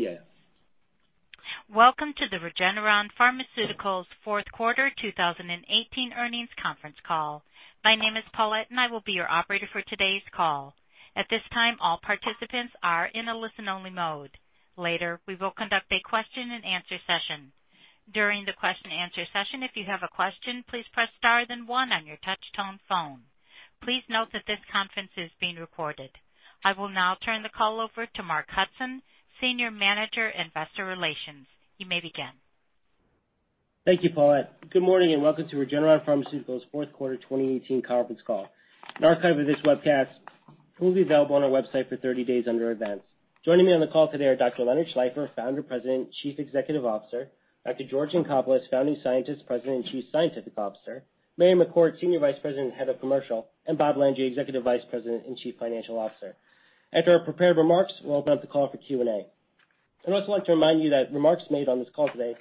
[IVR/AVR] Welcome to the Regeneron Pharmaceuticals Fourth Quarter 2018 Earnings Conference Call. My name is Paulette, and I will be your operator for today's call. At this time, all participants are in a listen-only mode. Later, we will conduct a question and answer session. During the question answer session, if you have a question, please press star then one on your touch tone phone. Please note that this conference is being recorded. I will now turn the call over to Mark Hudson, Senior Manager, Investor Relations. You may begin. Thank you, Paulette. Good morning and welcome to Regeneron Pharmaceuticals' fourth quarter 2018 conference call. An archive of this webcast will be available on our website for 30 days under Events. Joining me on the call today are Dr. Leonard Schleifer, Founder, President, Chief Executive Officer; Dr. George Yancopoulos, Founding Scientist, President, and Chief Scientific Officer; Marion McCourt, Senior Vice President, and Head of Commercial; and Bob Landry, Executive Vice President and Chief Financial Officer. After our prepared remarks, we'll open up the call for Q&A. I'd also like to remind you that remarks made on this call today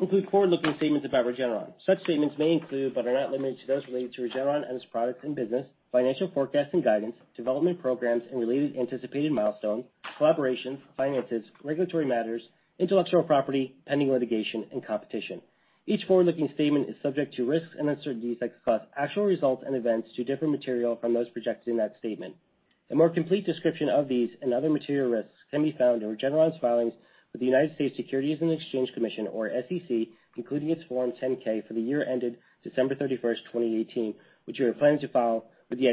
include forward-looking statements about Regeneron. Such statements may include, but are not limited to, those related to Regeneron and its products and business, financial forecasts and guidance, development programs and related anticipated milestones, collaborations, finances, regulatory matters, intellectual property, pending litigation, and competition. Each forward-looking statement is subject to risks and uncertainties that could cause actual results and events to differ material from those projected in that statement. A more complete description of these and other material risks can be found in Regeneron's filings with the United States Securities and Exchange Commission, or SEC, including its Form 10-K for the year ended December 31st, 2018, which we are planning to file with the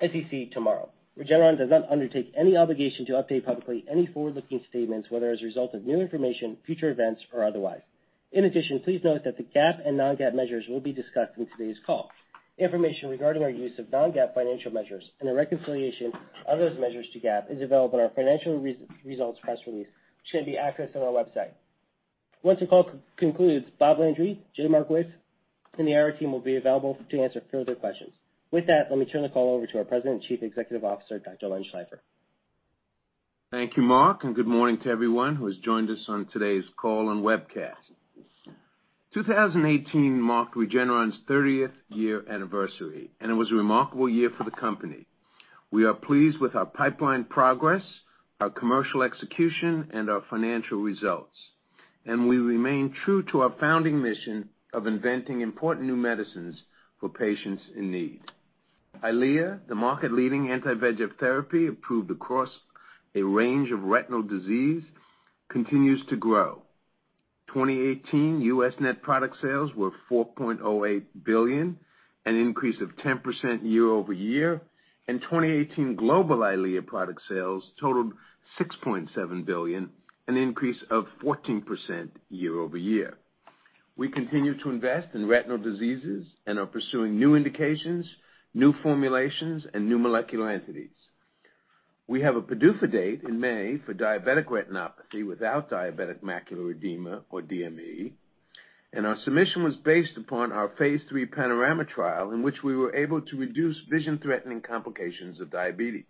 SEC tomorrow. Regeneron does not undertake any obligation to update publicly any forward-looking statements, whether as a result of new information, future events, or otherwise. In addition, please note that the GAAP and non-GAAP measures will be discussed in today's call. Information regarding our use of non-GAAP financial measures and a reconciliation of those measures to GAAP is available on our financial results press release, which can be accessed on our website. Once the call concludes, Bob Landry, Jay Markowitz, and the IR team will be available to answer further questions. With that, let me turn the call over to our President and Chief Executive Officer, Dr. Leonard Schleifer. Thank you, Mark, and good morning to everyone who has joined us on today's call and webcast. A 2018 marked Regeneron's 30th year anniversary, and it was a remarkable year for the company. We are pleased with our pipeline progress, our commercial execution, and our financial results. We remain true to our founding mission of inventing important new medicines for patients in need. EYLEA, the market-leading anti-VEGF therapy approved across a range of retinal disease, continues to grow. In 2018, U.S. net product sales were $4.08 billion, an increase of 10% year over year. In 2018 global EYLEA product sales totaled $6.75 billion, an increase of 14% year-over-year. We continue to invest in retinal diseases and are pursuing new indications, new formulations, and new molecular entities. We have a PDUFA date in May for diabetic retinopathy without diabetic macular edema, or DME. Our submission was based upon our phase III PANORAMA trial, in which we were able to reduce vision-threatening complications of diabetes.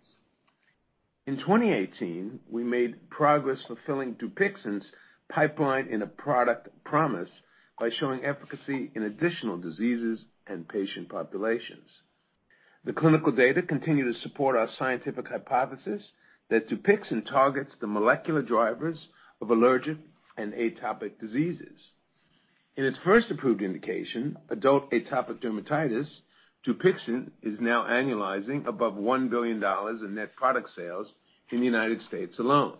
In 2018, we made progress fulfilling Dupixent's pipeline and a product promise by showing efficacy in additional diseases and patient populations. The clinical data continue to support our scientific hypothesis that Dupixent targets the molecular drivers of allergic and atopic diseases. In its first approved indication, adult atopic dermatitis, Dupixent is now annualizing above $1 billion in net product sales in the United States alone.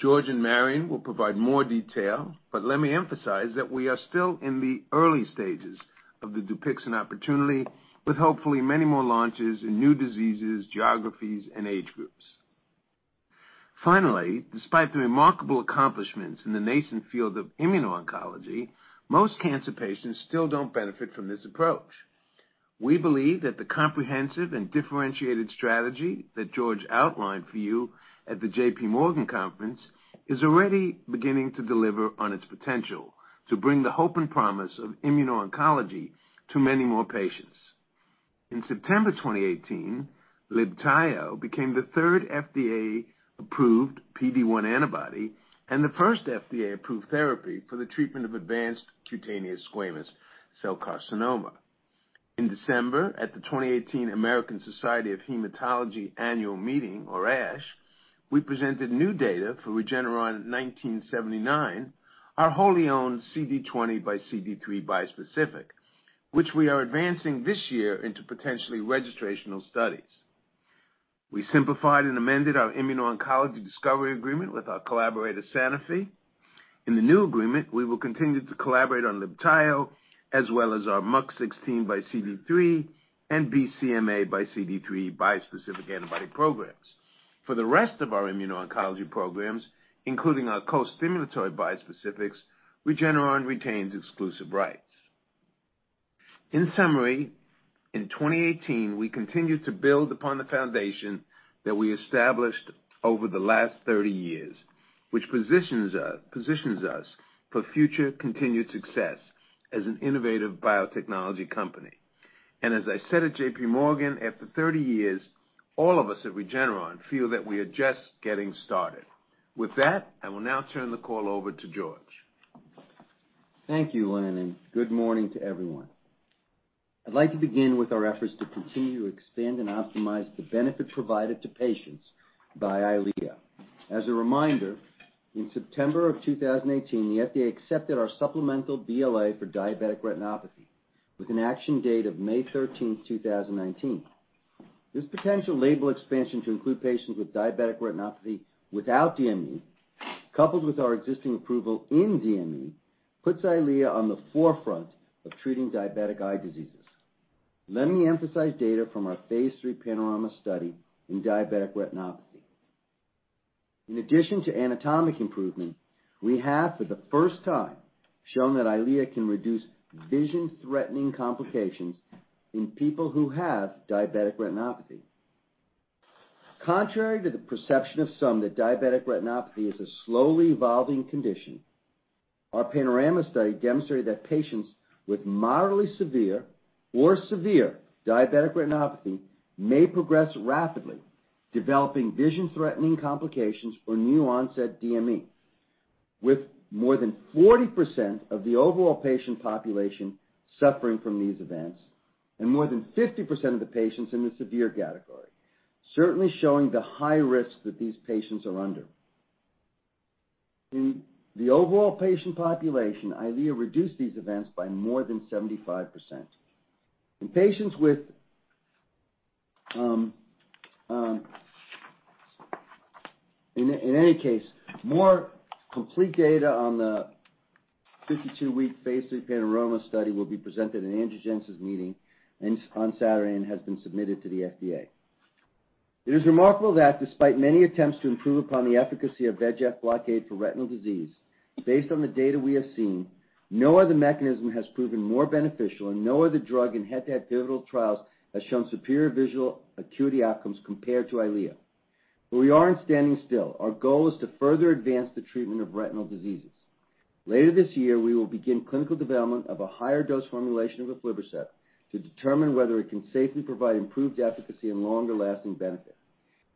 George and Marion will provide more detail, but let me emphasize that we are still in the early stages of the Dupixent opportunity, with hopefully many more launches in new diseases, geographies, and age groups. Finally, despite the remarkable accomplishments in the nascent field of immuno-oncology, most cancer patients still don't benefit from this approach. We believe that the comprehensive and differentiated strategy that George outlined for you at the JPMorgan conference is already beginning to deliver on its potential to bring the hope and promise of immuno-oncology to many more patients. In September 2018, Libtayo became the third FDA-approved PD-1 antibody and the first FDA-approved therapy for the treatment of advanced cutaneous squamous cell carcinoma. In December, at the 2018 American Society of Hematology annual meeting, or ASH, we presented new data for REGN1979, our wholly-owned CD20xCD3 bispecific, which we are advancing this year into potentially registrational studies. We simplified and amended our immuno-oncology discovery agreement with our collaborator, Sanofi. In the new agreement, we will continue to collaborate on Libtayo as well as our MUC16xCD3 and BCMAxCD3 bispecific antibody programs. For the rest of our immuno-oncology programs, including our co-stimulatory bispecifics, Regeneron retains exclusive rights. In summary, in 2018, we continued to build upon the foundation that we established over the last 30 years, which positions us for future continued success as an innovative biotechnology company. As I said at JPMorgan, after 30 years, all of us at Regeneron feel that we are just getting started. With that, I will now turn the call over to George. Thank you, Leonard. Good morning to everyone. I'd like to begin with our efforts to continue to expand and optimize the benefit provided to patients by EYLEA. As a reminder, in September 2018, the FDA accepted our supplemental BLA for diabetic retinopathy with an action date of May 13th, 2019. This potential label expansion to include patients with diabetic retinopathy without DME, coupled with our existing approval in DME, puts EYLEA on the forefront of treating diabetic eye diseases. Let me emphasize data from our phase III PANORAMA study in diabetic retinopathy. In addition to anatomic improvement, we have, for the first time, shown that EYLEA can reduce vision-threatening complications in people who have diabetic retinopathy. Contrary to the perception of some that diabetic retinopathy is a slowly evolving condition, our PANORAMA study demonstrated that patients with moderately severe or severe diabetic retinopathy may progress rapidly, developing vision-threatening complications or new onset DME. With more than 40% of the overall patient population suffering from these events, and more than 50% of the patients in the severe category, certainly showing the high risk that these patients are under. In the overall patient population, EYLEA reduced these events by more than 75%. In any case, more complete data on the 52-week phase III PANORAMA study will be presented in Angiogenesis' meeting on Saturday and has been submitted to the FDA. It is remarkable that despite many attempts to improve upon the efficacy of VEGF blockade for retinal disease, based on the data we have seen, no other mechanism has proven more beneficial and no other drug in head-to-head pivotal trials has shown superior visual acuity outcomes compared to EYLEA. We aren't standing still. Our goal is to further advance the treatment of retinal diseases. Later this year, we will begin clinical development of a higher dose formulation of aflibercept to determine whether it can safely provide improved efficacy and longer-lasting benefit.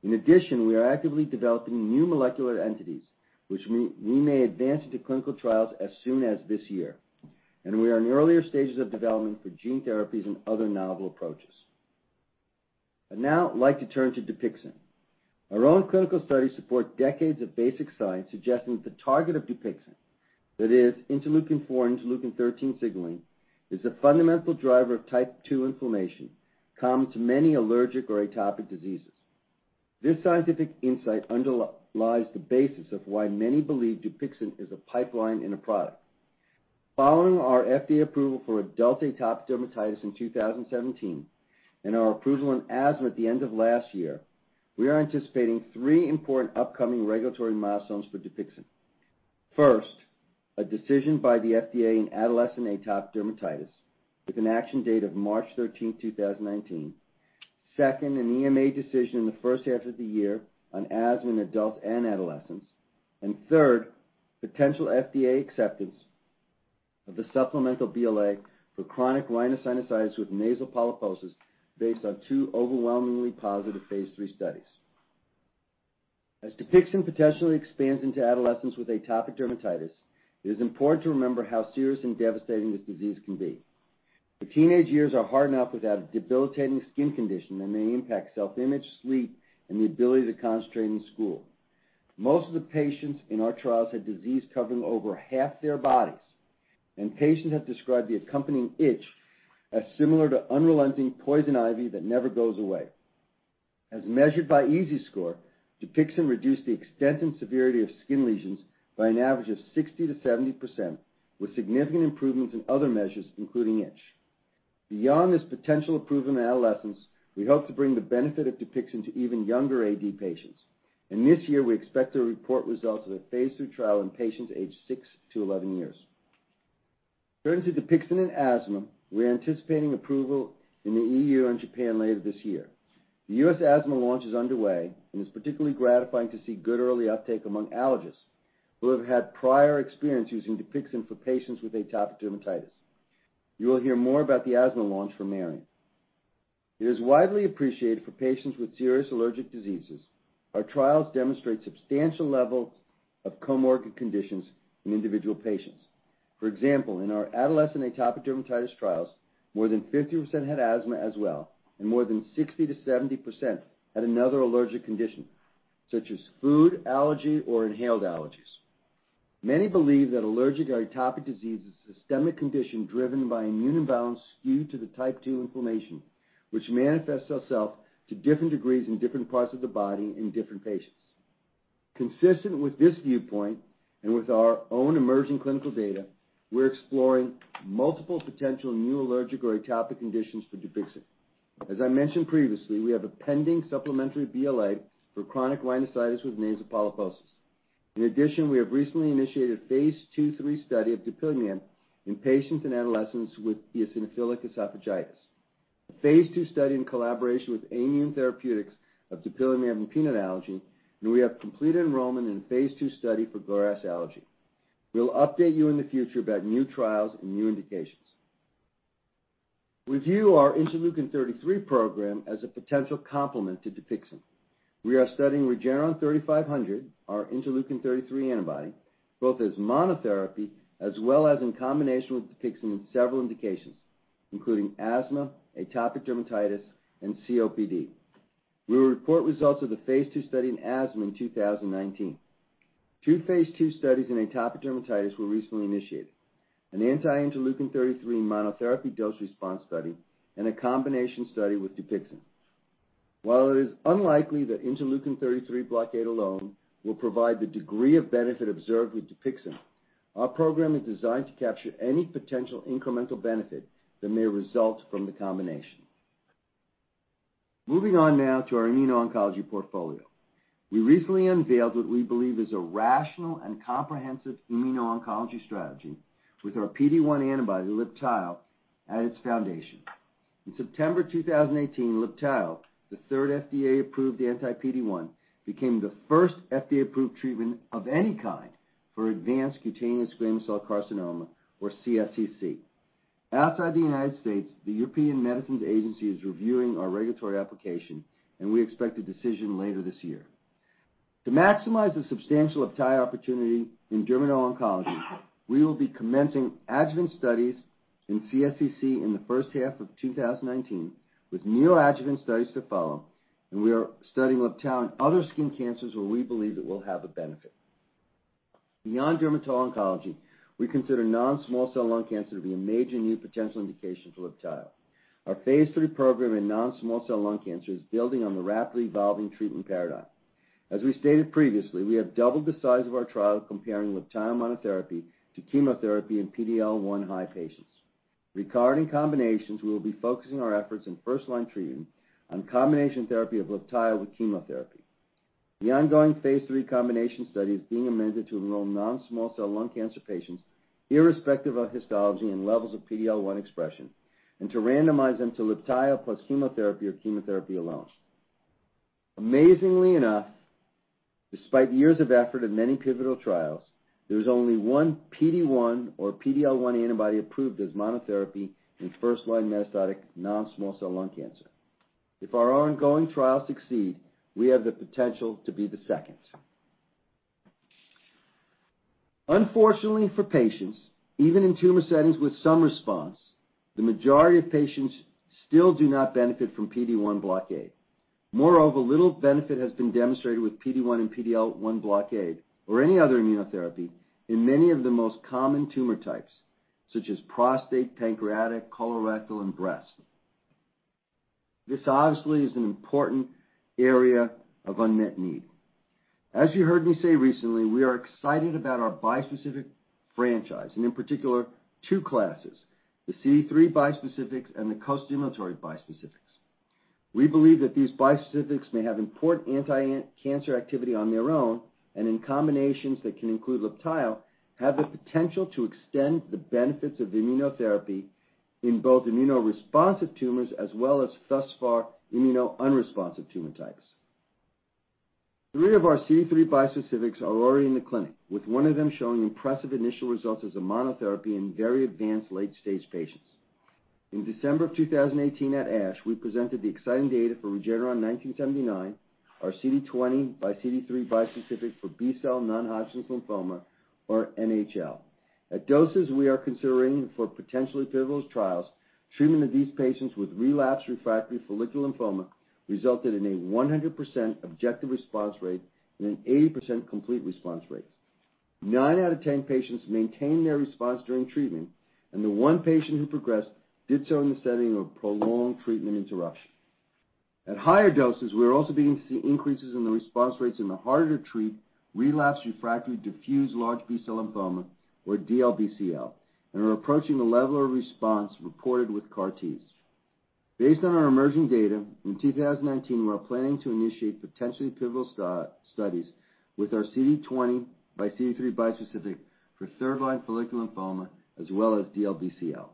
In addition, we are actively developing new molecular entities, which we may advance into clinical trials as soon as this year. We are in the earlier stages of development for gene therapies and other novel approaches. I'd now like to turn to Dupixent. Our own clinical studies support decades of basic science suggesting that the target of Dupixent, that is interleukin-4 and interleukin-13 signaling, is a fundamental driver of type 2 inflammation, common to many allergic or atopic diseases. This scientific insight underlies the basis of why many believe Dupixent is a pipeline and a product. Following our FDA approval for adult atopic dermatitis in 2017 and our approval in asthma at the end of last year, we are anticipating three important upcoming regulatory milestones for Dupixent. First, a decision by the FDA in adolescent atopic dermatitis with an action date of March 13th, 2019. Second, an EMA decision in the first half of the year on asthma in adults and adolescents. Third, potential FDA acceptance of the supplemental BLA for chronic rhinosinusitis with nasal polyposis based on two overwhelmingly positive phase III studies. As Dupixent potentially expands into adolescents with atopic dermatitis, it is important to remember how serious and devastating this disease can be. The teenage years are hard enough without a debilitating skin condition that may impact self-image, sleep, and the ability to concentrate in school. Most of the patients in our trials had disease covering over half their bodies, and patients have described the accompanying itch as similar to unrelenting poison ivy that never goes away. As measured by EASI score, Dupixent reduced the extent and severity of skin lesions by an average of 60%-70%, with significant improvements in other measures, including itch. Beyond this potential approval in adolescents, we hope to bring the benefit of Dupixent to even younger AD patients, and this year we expect to report results of a phase II trial in patients aged 6-11 years. Turning to Dupixent in asthma, we're anticipating approval in the EU and Japan later this year. The U.S. asthma launch is underway and it's particularly gratifying to see good early uptake among allergists who have had prior experience using Dupixent for patients with atopic dermatitis. You will hear more about the asthma launch from Marion. It is widely appreciated for patients with serious allergic diseases. Our trials demonstrate substantial levels of comorbid conditions in individual patients. For example, in our adolescent atopic dermatitis trials, more than 50% had asthma as well, and more than 60%-70% had another allergic condition, such as food allergy or inhaled allergies. Many believe that allergic or atopic disease is a systemic condition driven by immune imbalance skewed to the type 2 inflammation, which manifests itself to different degrees in different parts of the body in different patients. Consistent with this viewpoint, and with our own emerging clinical data, we're exploring multiple potential new allergic or atopic conditions for Dupixent. As I mentioned previously, we have a pending supplementary BLA for chronic rhinosinusitis with nasal polyposis. In addition, we have recently initiated a phase II/III study of dupilumab in patients and adolescents with eosinophilic esophagitis. A phase II study in collaboration with Aimmune Therapeutics of dupilumab in peanut allergy, and we have completed enrollment in a phase II study for grass allergy. We'll update you in the future about new trials and new indications. We view our interleukin-33 program as a potential complement to Dupixent. We are studying REGN3500, our interleukin-33 antibody, both as monotherapy as well as in combination with Dupixent in several indications, including asthma, atopic dermatitis, and COPD. We will report results of the phase II study in asthma in 2019. Two phase II studies in atopic dermatitis were recently initiated, an anti-interleukin-33 monotherapy dose response study and a combination study with Dupixent. While it is unlikely that interleukin-33 blockade alone will provide the degree of benefit observed with Dupixent, our program is designed to capture any potential incremental benefit that may result from the combination. Moving on now to our immuno-oncology portfolio. We recently unveiled what we believe is a rational and comprehensive immuno-oncology strategy with our PD-1 antibody, Libtayo, at its foundation. In September 2018, Libtayo, the third FDA-approved anti-PD-1, became the first FDA-approved treatment of any kind for advanced cutaneous squamous cell carcinoma, or CSCC. Outside the United States, the European Medicines Agency is reviewing our regulatory application, and we expect a decision later this year. To maximize the substantial upside opportunity in dermal oncology, we will be commencing adjuvant studies in CSCC in the first half of 2019, with neoadjuvant studies to follow. We are studying Libtayo in other skin cancers where we believe it will have a benefit. Beyond dermal oncology, we consider non-small cell lung cancer to be a major new potential indication for Libtayo. Our phase III program in non-small cell lung cancer is building on the rapidly evolving treatment paradigm. As we stated previously, we have doubled the size of our trial comparing Libtayo monotherapy to chemotherapy in PD-L1 high patients. Regarding combinations, we will be focusing our efforts in first-line treatment on combination therapy of Libtayo with chemotherapy. The ongoing phase III combination study is being amended to enroll non-small cell lung cancer patients irrespective of histology and levels of PD-L1 expression, to randomize them to Libtayo plus chemotherapy or chemotherapy alone. Amazingly enough, despite years of effort and many pivotal trials, there is only one PD-1 or PD-L1 antibody approved as monotherapy in first-line metastatic non-small cell lung cancer. If our ongoing trials succeed, we have the potential to be the second. Unfortunately for patients, even in tumor settings with some response, the majority of patients still do not benefit from PD-1 blockade. Moreover, little benefit has been demonstrated with PD-1 and PD-L1 blockade or any other immunotherapy in many of the most common tumor types, such as prostate, pancreatic, colorectal, and breast. This obviously is an important area of unmet need. As you heard me say recently, we are excited about our bispecific franchise, and in particular, two classes, the CD3 bispecifics and the costimulatory bispecifics. We believe that these bispecifics may have important anti-cancer activity on their own, and in combinations that can include Libtayo, have the potential to extend the benefits of immunotherapy in both immunoresponsive tumors as well as thus far immuno unresponsive tumor types. Three of our CD3 bispecifics are already in the clinic, with one of them showing impressive initial results as a monotherapy in very advanced late-stage patients. In December of 2018 at ASH, we presented the exciting data for REGN1979, our CD20xCD3 bispecific for B-cell non-Hodgkin lymphoma, or NHL. At doses we are considering for potentially pivotal trials, treatment of these patients with relapse-refractory follicular lymphoma resulted in a 100% objective response rate and an 80% complete response rate. Nine out of 10 patients maintained their response during treatment. The one patient who progressed did so in the setting of prolonged treatment interruption. At higher doses, we are also beginning to see increases in the response rates in the harder-to-treat relapse-refractory diffuse large B-cell lymphoma, or DLBCL, and are approaching the level of response reported with CAR Ts. Based on our emerging data, in 2019, we are planning to initiate potentially pivotal studies with our CD20xCD3 bispecific for third line follicular lymphoma as well as DLBCL.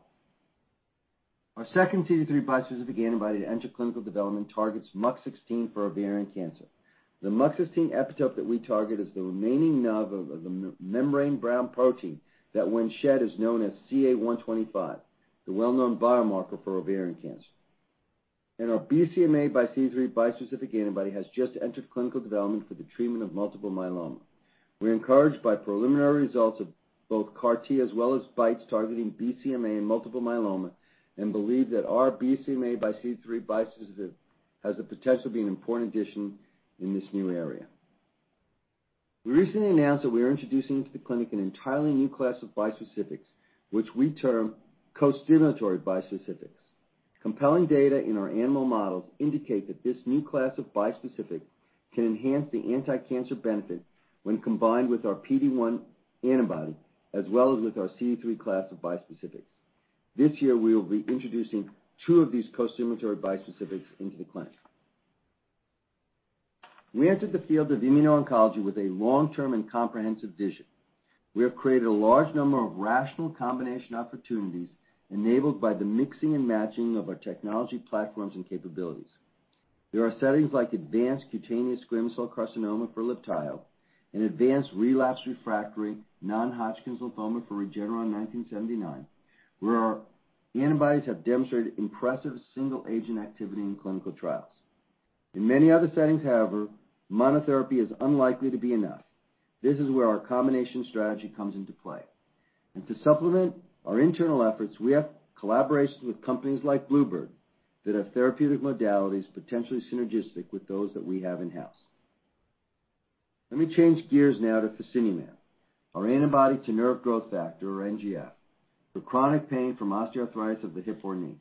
Our second CD3 bispecific antibody to enter clinical development targets MUC16 for ovarian cancer. The MUC16 epitope that we target is the remaining nub of the membrane brown protein that, when shed, is known as CA125, the well-known biomarker for ovarian cancer. Our BCMAxCD3 bispecific antibody has just entered clinical development for the treatment of multiple myeloma. We're encouraged by preliminary results of both CAR T as well as BiTEs targeting BCMA in multiple myeloma and believe that our BCMAxCD3 bispecific has the potential to be an important addition in this new area. We recently announced that we are introducing into the clinic an entirely new class of bispecific, which we term costimulatory bispecific. Compelling data in our animal models indicate that this new class of bispecific can enhance the anti-cancer benefit when combined with our PD-1 antibody as well as with our CD3 class of bispecific. This year, we will be introducing two of these costimulatory bispecific into the clinic. We entered the field of immuno-oncology with a long-term and comprehensive vision. We have created a large number of rational combination opportunities enabled by the mixing and matching of our technology platforms and capabilities. There are settings like advanced cutaneous squamous cell carcinoma for Libtayo and advanced relapse refractory non-Hodgkin's lymphoma for REGN1979, where our antibodies have demonstrated impressive single-agent activity in clinical trials. In many other settings, however, monotherapy is unlikely to be enough. This is where our combination strategy comes into play. To supplement our internal efforts, we have collaborations with companies like Bluebird that have therapeutic modalities potentially synergistic with those that we have in-house. Let me change gears now to fasinumab, our antibody to nerve growth factor, or NGF, for chronic pain from osteoarthritis of the hip or knee.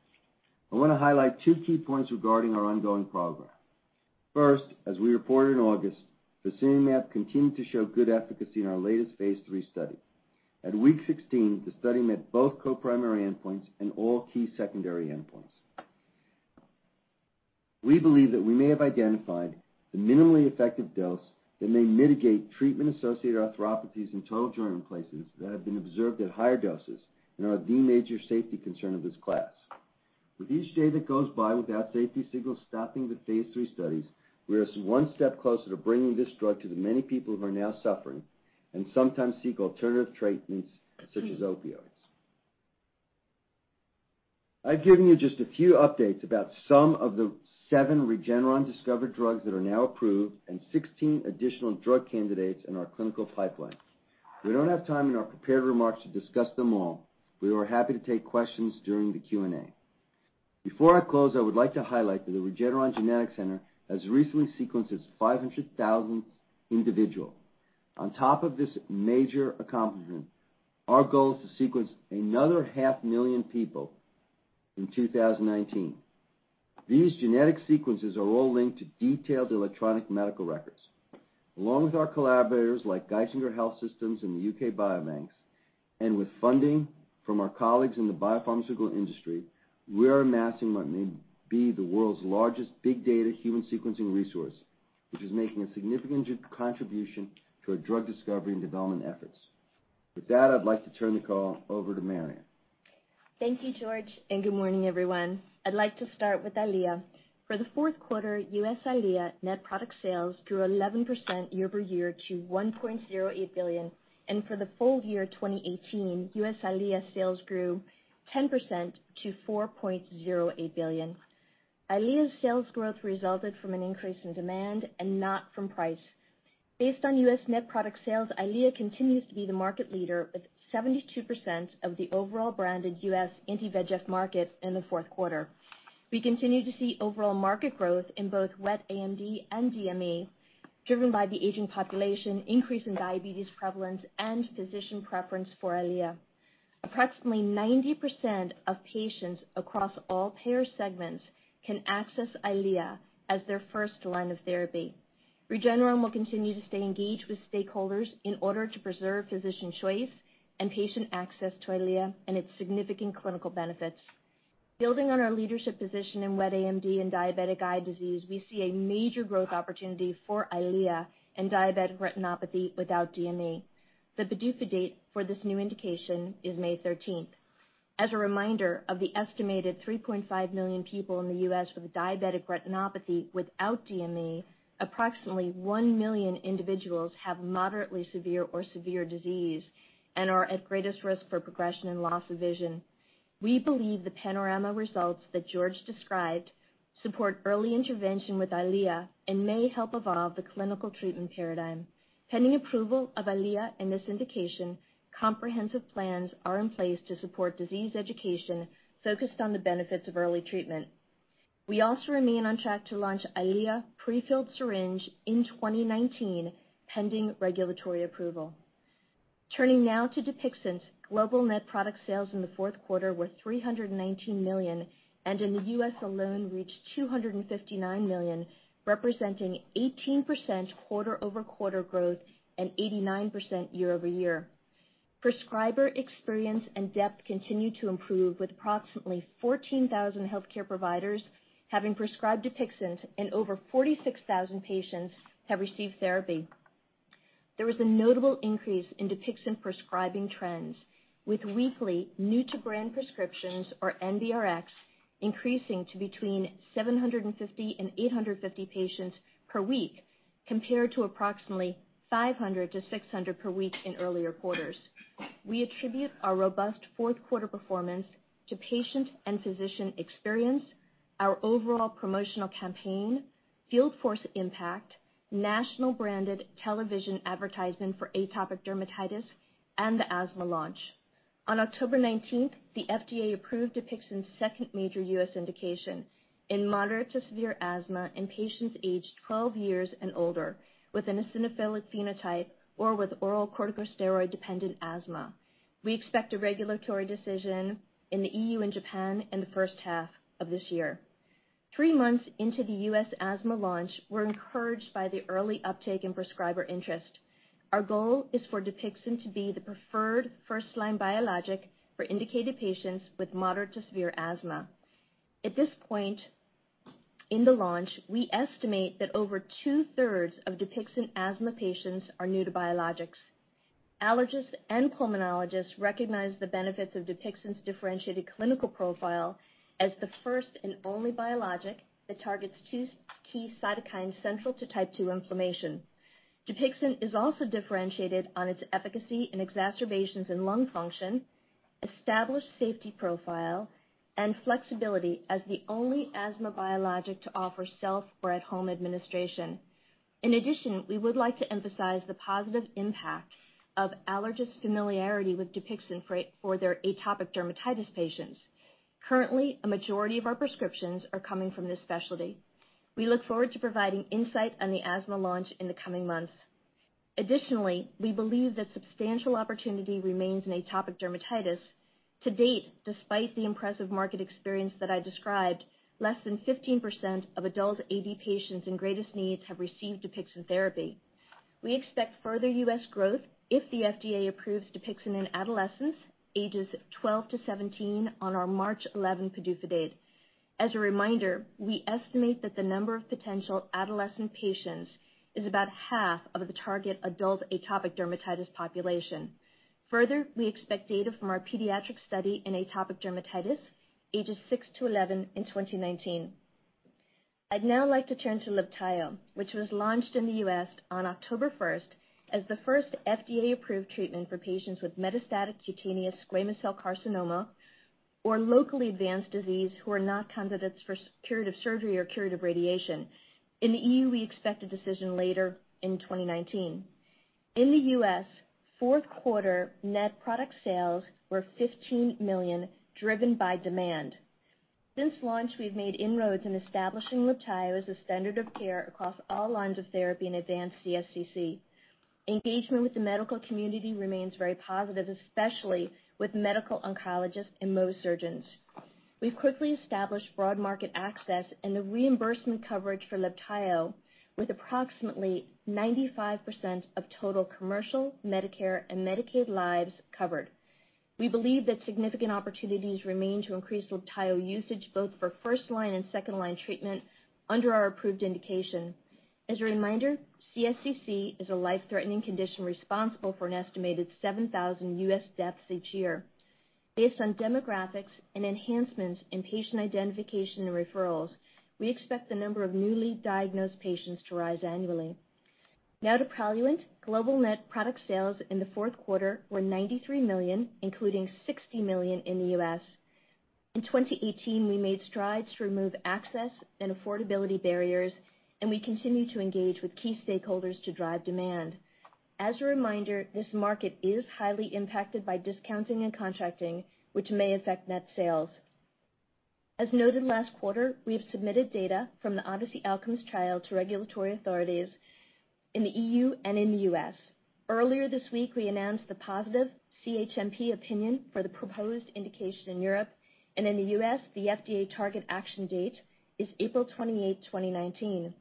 I want to highlight two key points regarding our ongoing program. First, as we reported in August, fasinumab continued to show good efficacy in our latest phase III study. At week 16, the study met both co-primary endpoints and all key secondary endpoints. We believe that we may have identified the minimally effective dose that may mitigate treatment-associated arthropathies and total joint replacements that have been observed at higher doses and are the major safety concern of this class. With each day that goes by without safety signals stopping the phase III studies, we are one step closer to bringing this drug to the many people who are now suffering and sometimes seek alternative treatments such as opioids. I've given you just a few updates about some of the seven Regeneron-discovered drugs that are now approved and 16 additional drug candidates in our clinical pipeline. We don't have time in our prepared remarks to discuss them all. We are happy to take questions during the Q&A. Before I close, I would like to highlight that the Regeneron Genetics Center has recently sequenced its 500,000th individual. On top of this major accomplishment, our goal is to sequence another half million people in 2019. These genetic sequences are all linked to detailed electronic medical records. Along with our collaborators like Geisinger Health System and the U.K. Biobank, and with funding from our colleagues in the biopharmaceutical industry, we are amassing what may be the world's largest big data human sequencing resource, which is making a significant contribution to our drug discovery and development efforts. With that, I'd like to turn the call over to Marion. Thank you, George, and good morning, everyone. I'd like to start with EYLEA. For the fourth quarter, U.S. EYLEA net product sales grew 11% year-over-year to $1.08 billion, and for the full year 2018, U.S. EYLEA sales grew 10% to $4.08 billion. EYLEA's sales growth resulted from an increase in demand and not from price. Based on U.S. net product sales, EYLEA continues to be the market leader with 72% of the overall brand in U.S. anti-VEGF market in the fourth quarter. We continue to see overall market growth in both wet AMD and DME driven by the aging population, increase in diabetes prevalence, and physician preference for EYLEA. Approximately 90% of patients across all payer segments can access EYLEA as their first line of therapy. Regeneron will continue to stay engaged with stakeholders in order to preserve physician choice and patient access to EYLEA and its significant clinical benefits. Building on our leadership position in wet AMD and diabetic eye disease, we see a major growth opportunity for EYLEA in diabetic retinopathy without DME. The PDUFA date for this new indication is May 13th. As a reminder, of the estimated 3.5 million people in the U.S. with diabetic retinopathy without DME, approximately 1 million individuals have moderately severe or severe disease and are at greatest risk for progression and loss of vision. We believe the PANORAMA results that George described support early intervention with EYLEA and may help evolve the clinical treatment paradigm. Pending approval of EYLEA in this indication, comprehensive plans are in place to support disease education focused on the benefits of early treatment. We also remain on track to launch EYLEA prefilled syringe in 2019, pending regulatory approval. Turning now to Dupixent, global net product sales in the fourth quarter were $319 million, and in the U.S. alone reached $259 million, representing 18% quarter-over-quarter growth and 89% year-over-year. Prescriber experience and depth continue to improve with approximately 14,000 healthcare providers having prescribed Dupixent and over 46,000 patients have received therapy. There was a notable increase in Dupixent prescribing trends with weekly new-to-brand prescriptions, or NBRx, increasing to between 750 and 850 patients per week compared to approximately 500-600 per week in earlier quarters. We attribute our robust fourth quarter performance to patient and physician experience, our overall promotional campaign, field force impact, national branded television advertising for atopic dermatitis, and the asthma launch. On October 19th, the FDA approved Dupixent's second major U.S. indication in moderate to severe asthma in patients aged 12 years and older with an eosinophilic phenotype or with oral corticosteroid-dependent asthma. We expect a regulatory decision in the EU and Japan in the first half of this year. Three months into the U.S. asthma launch, we're encouraged by the early uptake in prescriber interest. Our goal is for Dupixent to be the preferred first-line biologic for indicated patients with moderate to severe asthma. At this point in the launch, we estimate that over 2/3 of Dupixent asthma patients are new to biologics. Allergists and pulmonologists recognize the benefits of Dupixent's differentiated clinical profile as the first and only biologic that targets two key cytokines central to type 2 inflammation. Dupixent is also differentiated on its efficacy in exacerbations in lung function, established safety profile, and flexibility as the only asthma biologic to offer self or at-home administration. In addition, we would like to emphasize the positive impact of allergist familiarity with Dupixent for their atopic dermatitis patients. Currently, a majority of our prescriptions are coming from this specialty. We look forward to providing insight on the asthma launch in the coming months. Additionally, we believe that substantial opportunity remains in atopic dermatitis. To date, despite the impressive market experience that I described, less than 15% of adult AD patients in greatest needs have received Dupixent therapy. We expect further U.S. growth if the FDA approves Dupixent in adolescents ages 12-17 on our March 11 PDUFA date. As a reminder, we estimate that the number of potential adolescent patients is about half of the target adult atopic dermatitis population. Further, we expect data from our pediatric study in atopic dermatitis ages 6-11 in 2019. I'd now like to turn to Libtayo, which was launched in the U.S. on October 1st, as the first FDA-approved treatment for patients with metastatic cutaneous squamous cell carcinoma or locally advanced disease who are not candidates for curative surgery or curative radiation. In the EU, we expect a decision later in 2019. In the U.S., fourth quarter net product sales were $15 million, driven by demand. Since launch, we've made inroads in establishing Libtayo as a standard of care across all lines of therapy in advanced CSCC. Engagement with the medical community remains very positive, especially with medical oncologists and Mohs surgeons. We've quickly established broad market access and the reimbursement coverage for Libtayo with approximately 95% of total commercial, Medicare, and Medicaid lives covered. We believe that significant opportunities remain to increase Libtayo usage both for first-line and second-line treatment under our approved indication. As a reminder, CSCC is a life-threatening condition responsible for an estimated 7,000 U.S. deaths each year. Based on demographics and enhancements in patient identification and referrals, we expect the number of newly diagnosed patients to rise annually. Now to Praluent. Global net product sales in the fourth quarter were $93 million, including $60 million in the U.S.. In 2018, we made strides to remove access and affordability barriers, and we continue to engage with key stakeholders to drive demand. As a reminder, this market is highly impacted by discounting and contracting, which may affect net sales. As noted last quarter, we have submitted data from the ODYSSEY Outcomes trial to regulatory authorities in the EU and in the U.S.. Earlier this week, we announced the positive CHMP opinion for the proposed indication in Europe, and in the U.S., the FDA target action date is April 28, 2019.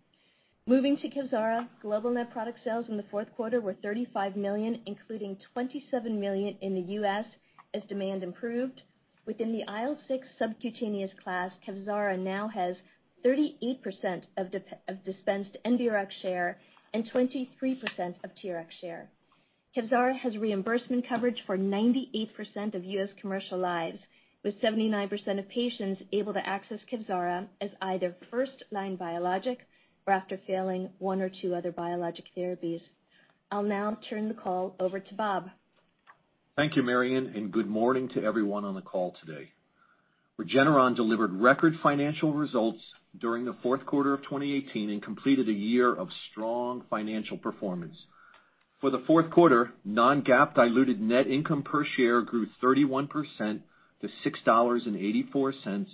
Moving to Kevzara. Global net product sales in the fourth quarter were $35 million, including $27 million in the U.S. as demand improved. Within the IL-6 subcutaneous class, Kevzara now has 38% of dispensed NRx share and 23% of TRx share. Kevzara has reimbursement coverage for 98% of U.S. commercial lives, with 79% of patients able to access Kevzara as either first-line biologic or after failing one or two other biologic therapies. I'll now turn the call over to Bob. Thank you, Marion, Good morning to everyone on the call today. Regeneron delivered record financial results during the fourth quarter of 2018 and completed a year of strong financial performance. For the fourth quarter, non-GAAP diluted net income per share grew 31% to $6.84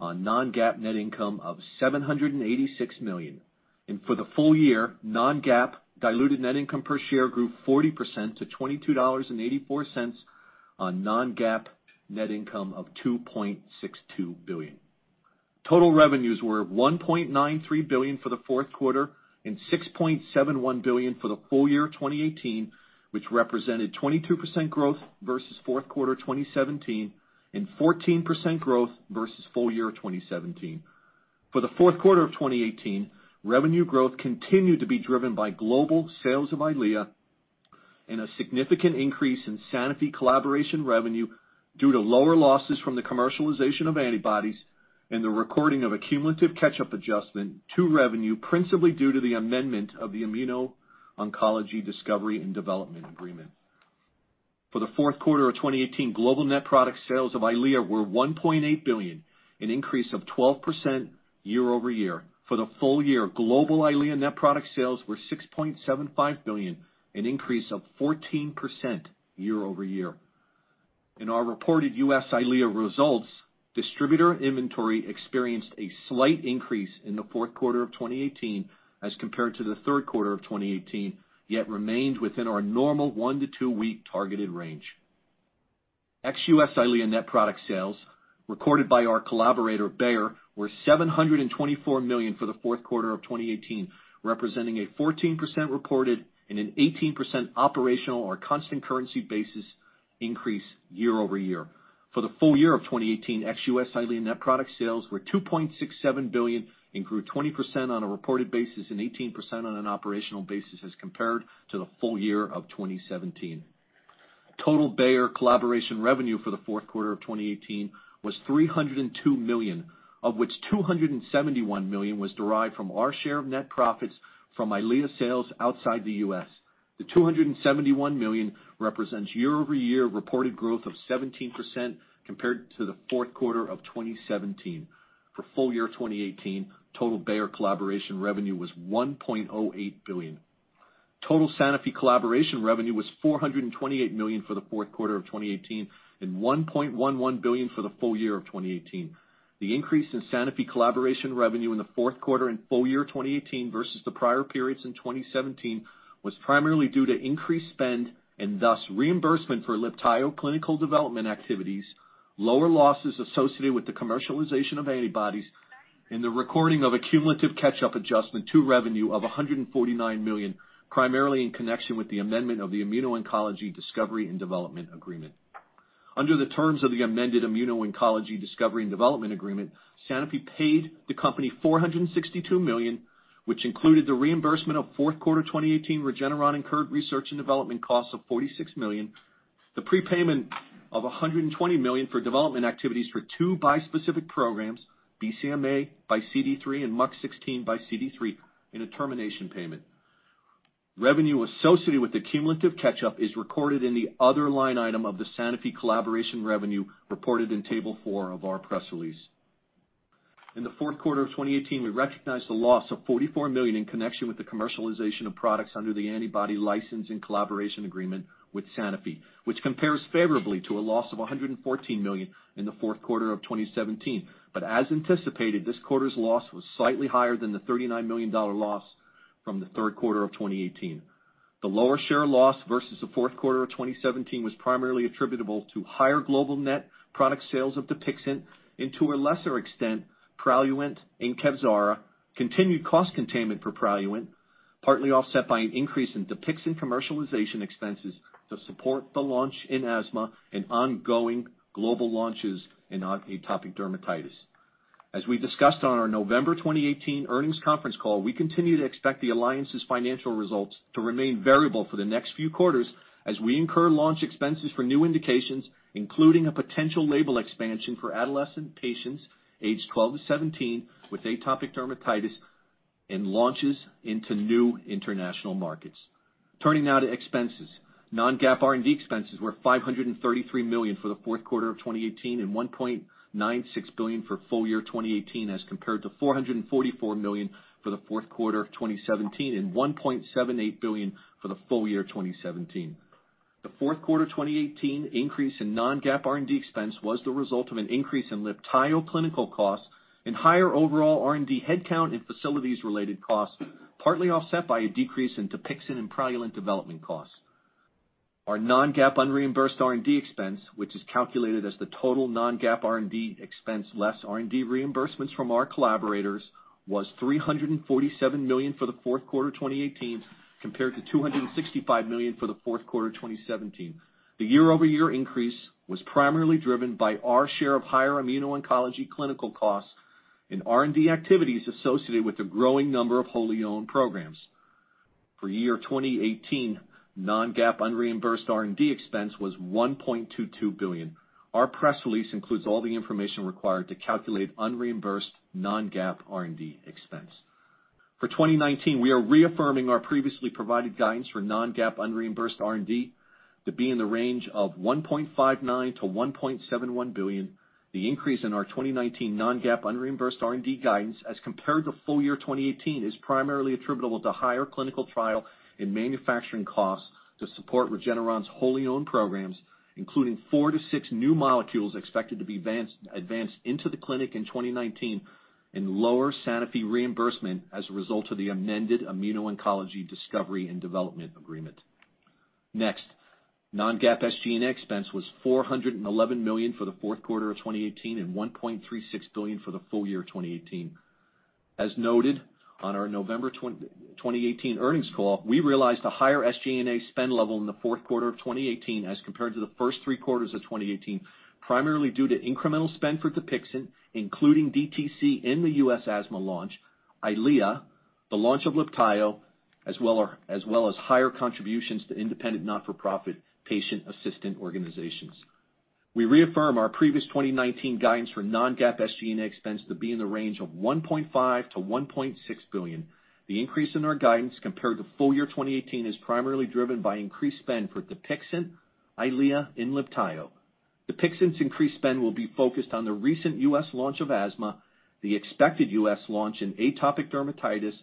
on non-GAAP net income of $786 million. For the full year, non-GAAP diluted net income per share grew 40% to $22.84 on non-GAAP net income of $2.62 billion. Total revenues were $1.93 billion for the fourth quarter and $6.71 billion for the full year 2018, which represented 22% growth versus fourth quarter 2017 and 14% growth versus full year 2017. For the fourth quarter of 2018, revenue growth continued to be driven by global sales of EYLEA and a significant increase in Sanofi collaboration revenue due to lower losses from the commercialization of antibodies and the recording of a cumulative catch-up adjustment to revenue, principally due to the amendment of the Immuno-Oncology Discovery and Development Agreement. For the fourth quarter of 2018, global net product sales of EYLEA were $1.8 billion, an increase of 12% year-over-year. For the full year, global EYLEA net product sales were $6.75 billion, an increase of 14% year-over-year. In our reported U.S. EYLEA results, distributor inventory experienced a slight increase in the fourth quarter of 2018 as compared to the third quarter of 2018, yet remained within our normal one to two-week targeted range. Ex-U.S. EYLEA net product sales recorded by our collaborator Bayer were $724 million for the fourth quarter of 2018, representing a 14% reported and an 18% operational or constant currency basis increase year-over-year. For the full year 2018, ex-U.S. EYLEA net product sales were $2.67 billion and grew 20% on a reported basis and 18% on an operational basis as compared to the full year 2017. Total Bayer collaboration revenue for the fourth quarter of 2018 was $302 million, of which $271 million was derived from our share of net profits from EYLEA sales outside the U.S.. The $271 million represents year-over-year reported growth of 17% compared to the fourth quarter of 2017. For full year 2018, total Bayer collaboration revenue was $1.08 billion. Total Sanofi collaboration revenue was $428 million for the fourth quarter of 2018 and $1.11 billion for the full year of 2018. The increase in Sanofi collaboration revenue in the fourth quarter and full year 2018 versus the prior periods in 2017 was primarily due to increased spend and thus reimbursement for Libtayo clinical development activities, lower losses associated with the commercialization of antibodies, and the recording of a cumulative catch-up adjustment to revenue of $149 million, primarily in connection with the amendment of the Immuno-Oncology Discovery and Development Agreement. Under the terms of the amended Immuno-Oncology Discovery and Development Agreement, Sanofi paid the company $462 million, which included the reimbursement of fourth quarter 2018 Regeneron incurred research and development costs of $46 million, the prepayment of $120 million for development activities for two bispecific programs, BCMAxCD3 and MUC16xCD3, in a termination payment. Revenue associated with the cumulative catch-up is recorded in the other line item of the Sanofi collaboration revenue reported in table four of our press release. In the fourth quarter of 2018, we recognized a loss of $44 million in connection with the commercialization of products under the antibody license and collaboration agreement with Sanofi, which compares favorably to a loss of $114 million in the fourth quarter of 2017. As anticipated, this quarter's loss was slightly higher than the $39 million loss from the third quarter of 2018. The lower share loss versus the fourth quarter of 2017 was primarily attributable to higher global net product sales of Dupixent and to a lesser extent, Praluent and Kevzara, continued cost containment for Praluent, partly offset by an increase in Dupixent commercialization expenses to support the launch in asthma and ongoing global launches in atopic dermatitis. As we discussed on our November 2018 earnings conference call, we continue to expect the alliance's financial results to remain variable for the next few quarters as we incur launch expenses for new indications, including a potential label expansion for adolescent patients aged 12-17 with atopic dermatitis and launches into new international markets. Turning now to expenses. Non-GAAP R&D expenses were $533 million for the fourth quarter of 2018 and $1.96 billion for full year 2018 as compared to $444 million for the fourth quarter of 2017 and $1.78 billion for the full year 2017. The fourth quarter 2018 increase in non-GAAP R&D expense was the result of an increase in Libtayo clinical costs and higher overall R&D headcount and facilities related costs, partly offset by a decrease in Dupixent and Praluent development costs. Our non-GAAP unreimbursed R&D expense, which is calculated as the total non-GAAP R&D expense less R&D reimbursements from our collaborators, was $347 million for the fourth quarter 2018 compared to $265 million for the fourth quarter 2017. The year-over-year increase was primarily driven by our share of higher immuno-oncology clinical costs and R&D activities associated with the growing number of wholly owned programs. For year 2018, non-GAAP unreimbursed R&D expense was $1.22 billion. Our press release includes all the information required to calculate unreimbursed non-GAAP R&D expense. For 2019, we are reaffirming our previously provided guidance for non-GAAP unreimbursed R&D to be in the range of $1.59 billion-$1.71 billion. The increase in our 2019 non-GAAP unreimbursed R&D guidance as compared to full year 2018 is primarily attributable to higher clinical trial and manufacturing costs to support Regeneron's wholly owned programs, including four to six new molecules expected to be advanced into the clinic in 2019 and lower Sanofi reimbursement as a result of the amended Immuno-Oncology Discovery and Development Agreement. Next, non-GAAP SG&A expense was $411 million for the fourth quarter of 2018 and $1.36 billion for the full year 2018. As noted on our November 2018 earnings call, we realized a higher SG&A spend level in the fourth quarter of 2018 as compared to the first three quarters of 2018, primarily due to incremental spend for Dupixent, including DTC in the U.S. asthma launch, EYLEA, the launch of Libtayo, as well as higher contributions to independent not-for-profit patient assistant organizations. We reaffirm our previous 2019 guidance for non-GAAP SG&A expense to be in the range of $1.5 billion-$1.6 billion. The increase in our guidance compared to full year 2018 is primarily driven by increased spend for Dupixent, EYLEA, and Libtayo. Dupixent's increased spend will be focused on the recent U.S. launch of asthma, the expected U.S. launch in atopic dermatitis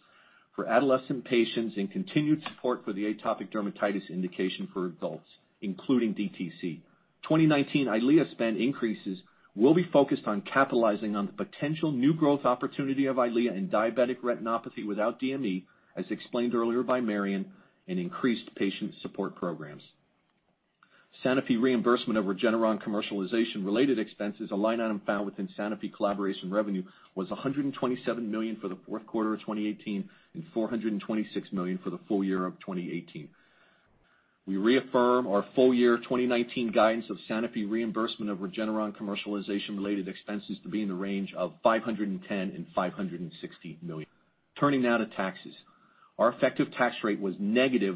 for adolescent patients, and continued support for the atopic dermatitis indication for adults, including DTC. 2019 EYLEA spend increases will be focused on capitalizing on the potential new growth opportunity of EYLEA in diabetic retinopathy without DME, as explained earlier by Marion, and increased patient support programs. Sanofi reimbursement of Regeneron commercialization-related expenses, a line item found within Sanofi collaboration revenue, was $127 million for the fourth quarter of 2018 and $426 million for the full year of 2018. We reaffirm our full year 2019 guidance of Sanofi reimbursement of Regeneron commercialization-related expenses to be in the range of $510 million-$560 million. Turning now to taxes. Our effective tax rate was -21%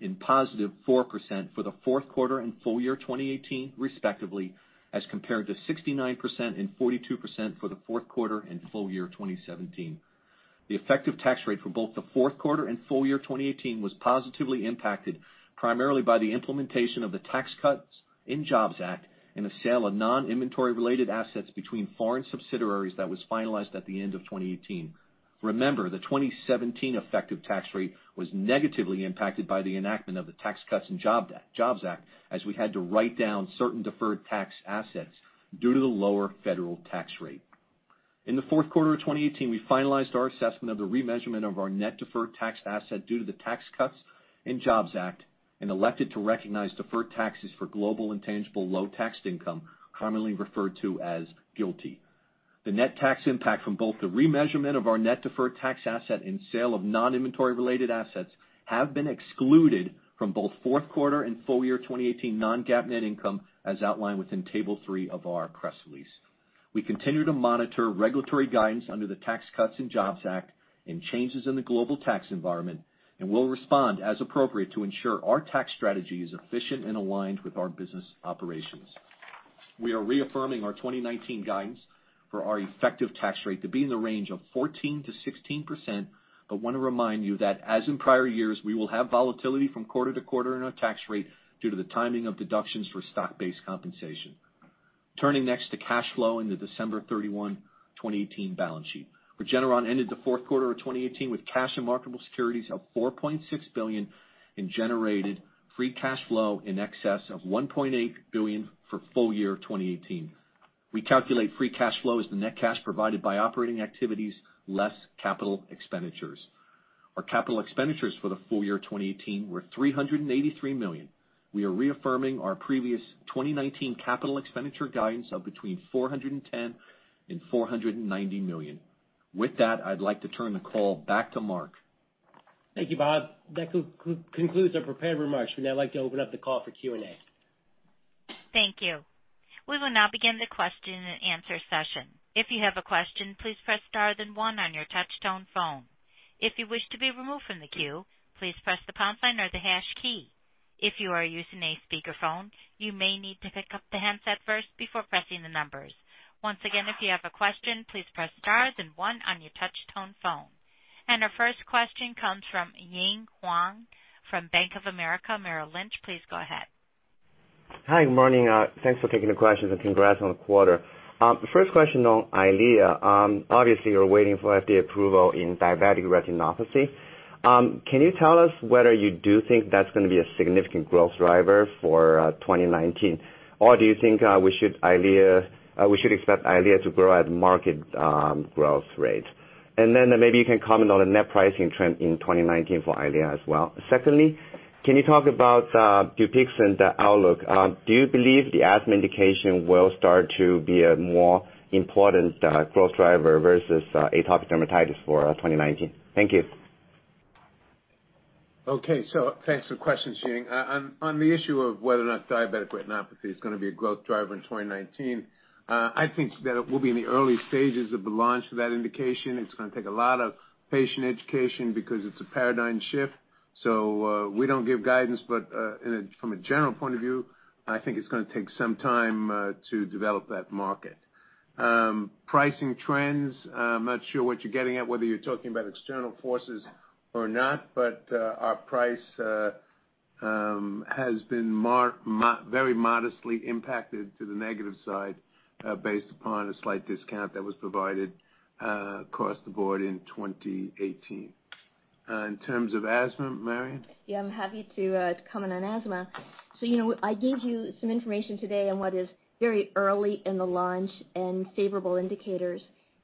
and +4% for the fourth quarter and full year 2018 respectively, as compared to 69% and 42% for the fourth quarter and full year 2017. The effective tax rate for both the fourth quarter and full year 2018 was positively impacted primarily by the implementation of the Tax Cuts and Jobs Act and the sale of non-inventory related assets between foreign subsidiaries that was finalized at the end of 2018. Remember, the 2017 effective tax rate was negatively impacted by the enactment of the Tax Cuts and Jobs Act, as we had to write down certain deferred tax assets due to the lower federal tax rate. In the fourth quarter of 2018, we finalized our assessment of the remeasurement of our net deferred tax asset due to the Tax Cuts and Jobs Act and elected to recognize deferred taxes for Global Intangible Low-Taxed Income, commonly referred to as GILTI. The net tax impact from both the remeasurement of our net deferred tax asset and sale of non-inventory related assets have been excluded from both fourth quarter and full year 2018 non-GAAP net income, as outlined within table three of our press release. We continue to monitor regulatory guidance under the Tax Cuts and Jobs Act and changes in the global tax environment and will respond as appropriate to ensure our tax strategy is efficient and aligned with our business operations. We are reaffirming our 2019 guidance for our effective tax rate to be in the range of 14%-16%, but want to remind you that, as in prior years, we will have volatility from quarter to quarter in our tax rate due to the timing of deductions for stock-based compensation. Turning next to cash flow in the December 31, 2018 balance sheet. Regeneron ended the fourth quarter of 2018 with cash and marketable securities of $4.6 billion and generated free cash flow in excess of $1.8 billion for full year 2018. We calculate free cash flow as the net cash provided by operating activities less capital expenditures. Our capital expenditures for the full year 2018 were $383 million. We are reaffirming our previous 2019 capital expenditure guidance of between $410 million and $490 million. With that, I'd like to turn the call back to Mark. Thank you, Bob. That concludes our prepared remarks. We'd now like to open up the call for Q&A. Thank you. We will now begin the question and answer session. If you have a question, please press star then one on your touch tone phone. If you wish to be removed from the queue, please press the pound sign or the hash key. If you are using a speakerphone, you may need to pick up the handset first before pressing the numbers. Once again, if you have a question, please press star then one on your touch tone phone. Our first question comes from Ying Huang from Bank of America Merrill Lynch. Please go ahead. Hi. Good morning. Thanks for taking the questions, and congrats on the quarter. First question on EYLEA. Obviously, you're waiting for FDA approval in diabetic retinopathy. Can you tell us whether you do think that's going to be a significant growth driver for 2019? Or do you think we should expect EYLEA to grow at market growth rate? Then maybe you can comment on the net pricing trend in 2019 for EYLEA as well. Secondly, can you talk about Dupixent, the outlook? Do you believe the asthma indication will start to be a more important growth driver versus atopic dermatitis for 2019? Thank you. Okay. Thanks for the questions, Ying. On the issue of whether or not diabetic retinopathy is going to be a growth driver in 2019, I think that we'll be in the early stages of the launch for that indication. It's going to take a lot of patient education because it's a paradigm shift. We don't give guidance. But from a general point of view, I think it's going to take some time to develop that market. Pricing trends, I'm not sure what you're getting at, whether you're talking about external forces or not, but our price has been very modestly impacted to the negative side based upon a slight discount that was provided across the board in 2018. In terms of asthma, Marion? Yeah, I'm happy to comment on asthma. I gave you some information today on what is very early in the launch and favorable indicators.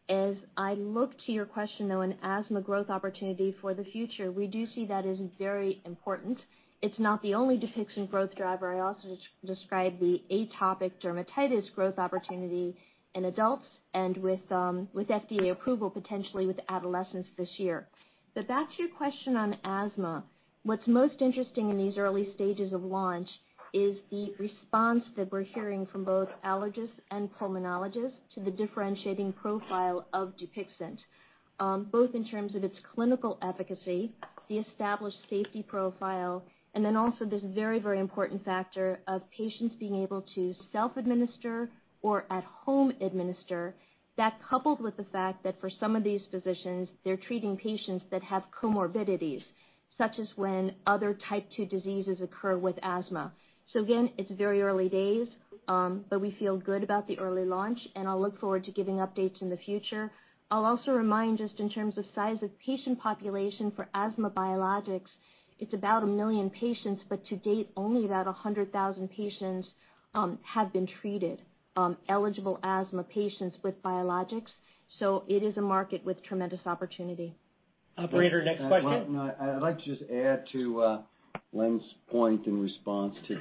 As I look to your question, though, on asthma growth opportunity for the future, we do see that as very important. It's not the only Dupixent growth driver. I also described the atopic dermatitis growth opportunity in adults and with FDA approval, potentially with adolescents this year. Back to your question on asthma. What's most interesting in these early stages of launch is the response that we're hearing from both allergists and pulmonologists to the differentiating profile of Dupixent, both in terms of its clinical efficacy, the established safety profile, and then also this very important factor of patients being able to self-administer or at home administer. That coupled with the fact that for some of these physicians, they're treating patients that have comorbidities, such as when other type 2 diseases occur with asthma. Again, it's very early days, but we feel good about the early launch, and I'll look forward to giving updates in the future. I'll also remind, just in terms of size of patient population for asthma biologics, it's about 1 million patients, but to date, only about 100,000 patients have been treated, eligible asthma patients with biologics. It is a market with tremendous opportunity. Operator, next question. I'd like to just add to Leonard's point in response to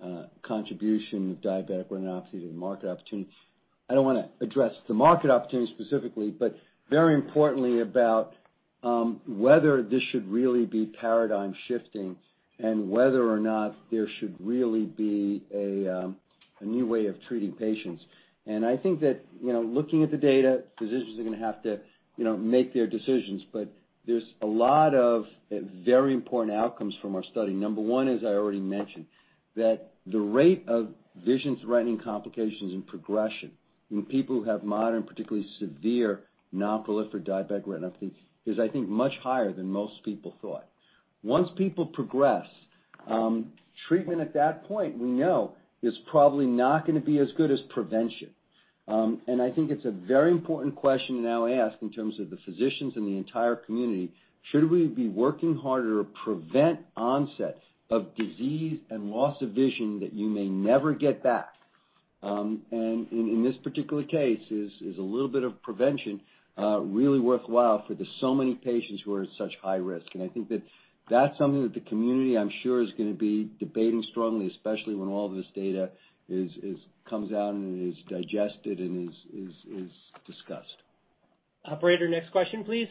the contribution of diabetic retinopathy to the market opportunity. I don't want to address the market opportunity specifically, very importantly about whether this should really be paradigm shifting and whether or not there should really be a new way of treating patients. I think that looking at the data, physicians are going to have to make their decisions. But, there's a lot of very important outcomes from our study. Number one, as I already mentioned, that the rate of vision-threatening complications and progression in people who have moderate, particularly severe non-proliferative diabetic retinopathy is, I think, much higher than most people thought. Once people progress, treatment at that point, we know is probably not going to be as good as prevention. I think it's a very important question to now ask in terms of the physicians and the entire community, should we be working harder to prevent onset of disease and loss of vision that you may never get back? In this particular case, is a little bit of prevention really worthwhile for the so many patients who are at such high risk? I think that that's something that the community, I'm sure, is going to be debating strongly, especially when all this data comes out and is digested and is discussed. Operator, next question, please.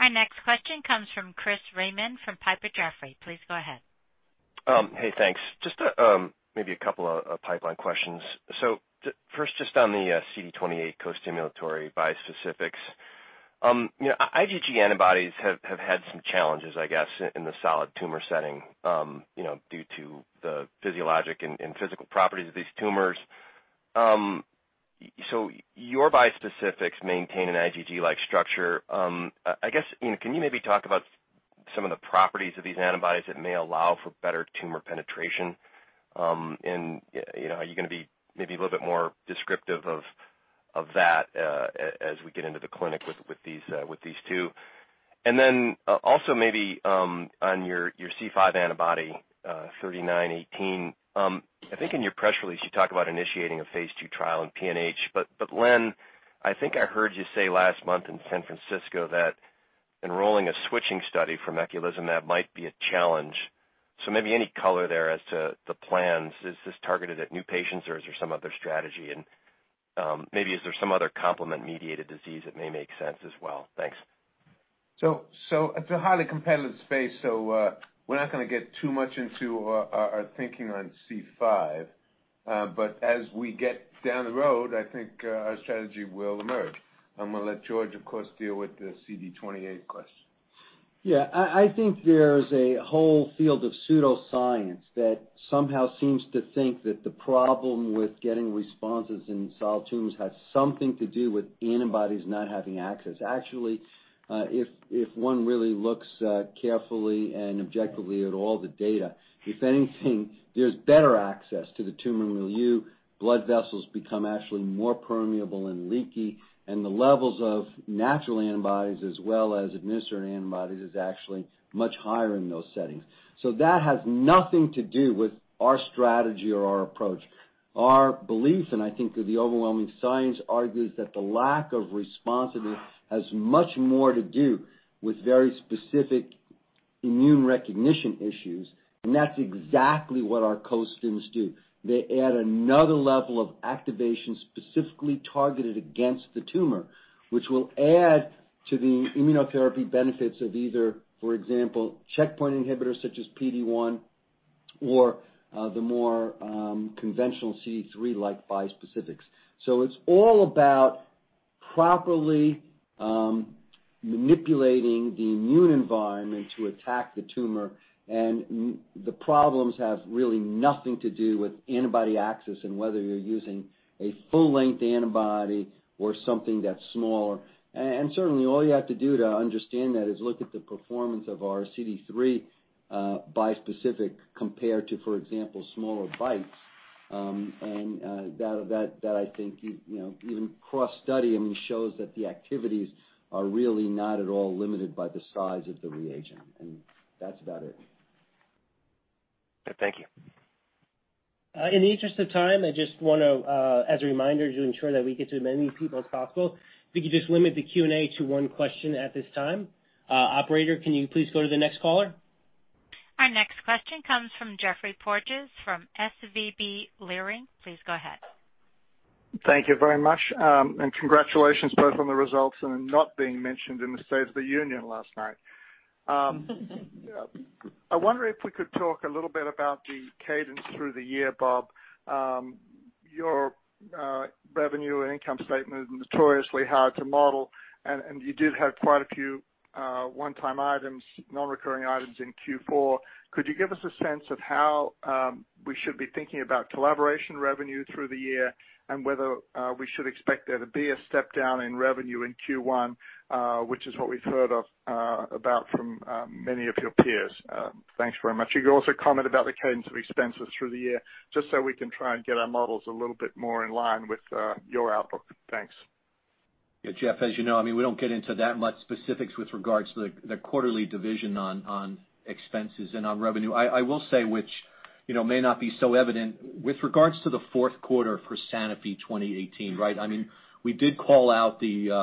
Our next question comes from Chris Raymond from [Piper Sandler]. Please go ahead. Hey, thanks. Just maybe a couple of pipeline questions. First, just on the CD28 costimulatory bispecific. IgG antibodies have had some challenges, I guess, in the solid tumor setting, you know, due to the physiologic and physical properties of these tumors. Your bispecific maintain an IgG-like structure. I guess, can you maybe talk about some of the properties of these antibodies that may allow for better tumor penetration? Are you going to be maybe a little bit more descriptive of that as we get into the clinic with these two? Also, Maybe on your C5 antibody pozelimab. I think in your press release, you talked about initiating a phase II trial in PNH. Len, I think I heard you say last month in San Francisco that enrolling a switching study for eculizumab might be a challenge. Maybe any color there as to the plans. Is this targeted at new patients or is there some other strategy? Maybe is there some other complement-mediated disease that may make sense as well? Thanks. It's a highly competitive space, so we're not going to get too much into our thinking on C5. As we get down the road, I think our strategy will emerge. I'm going to let George, of course, deal with the CD28 question. Yeah. I think there's a whole field of pseudoscience that somehow seems to think that the problem with getting responses in solid tumors has something to do with antibodies not having access. Actually, if one really looks carefully and objectively at all the data, if anything, there's better access to the tumor milieu, blood vessels become actually more permeable and leaky, and the levels of natural antibodies as well as administered antibodies is actually much higher in those settings. That has nothing to do with our strategy or our approach. Our belief, and I think that the overwhelming science argues that the lack of responsivity has much more to do with very specific immune recognition issues, and that's exactly what our costims do. They add another level of activation specifically targeted against the tumor, which will add to the immunotherapy benefits of either, for example, checkpoint inhibitors such as PD-1 or the more conventional CD3-like bispecific. It's all about properly manipulating the immune environment to attack the tumor, and the problems have really nothing to do with antibody access and whether you're using a full-length antibody or something that's smaller. Certainly, all you have to do to understand that is look at the performance of our CD3 bispecific compared to, for example, smaller BiTEs. That I think even cross-study, I mean, shows that the activities are really not at all limited by the size of the reagent. That's about it. Thank you. In the interest of time, I just want to, as a reminder to ensure that we get to as many people as possible, if we could just limit the Q&A to one question at this time. Operator, can you please go to the next caller? Our next question comes from Geoffrey Porges from SVB Leerink. Please go ahead. Thank you very much. Congratulations both on the results and on not being mentioned in the State of the Union last night. I wonder if we could talk a little bit about the cadence through the year, Bob. Your revenue and income statement is notoriously hard to model, and you did have quite a few one-time items, non-recurring items in Q4. Could you give us a sense of how we should be thinking about collaboration revenue through the year and whether we should expect there to be a step down in revenue in Q1, which is what we've heard of about from many of your peers? Thanks very much. You could also comment about the cadence of expenses through the year, just so we can try and get our models a little bit more in line with your outlook. Thanks. Geoff, as you know, I mean, we don't get into that much specifics with regards to the quarterly division on expenses and on revenue. I will say, which may not be so evident, with regards to the fourth quarter for Sanofi 2018, right? I mean, we did call out the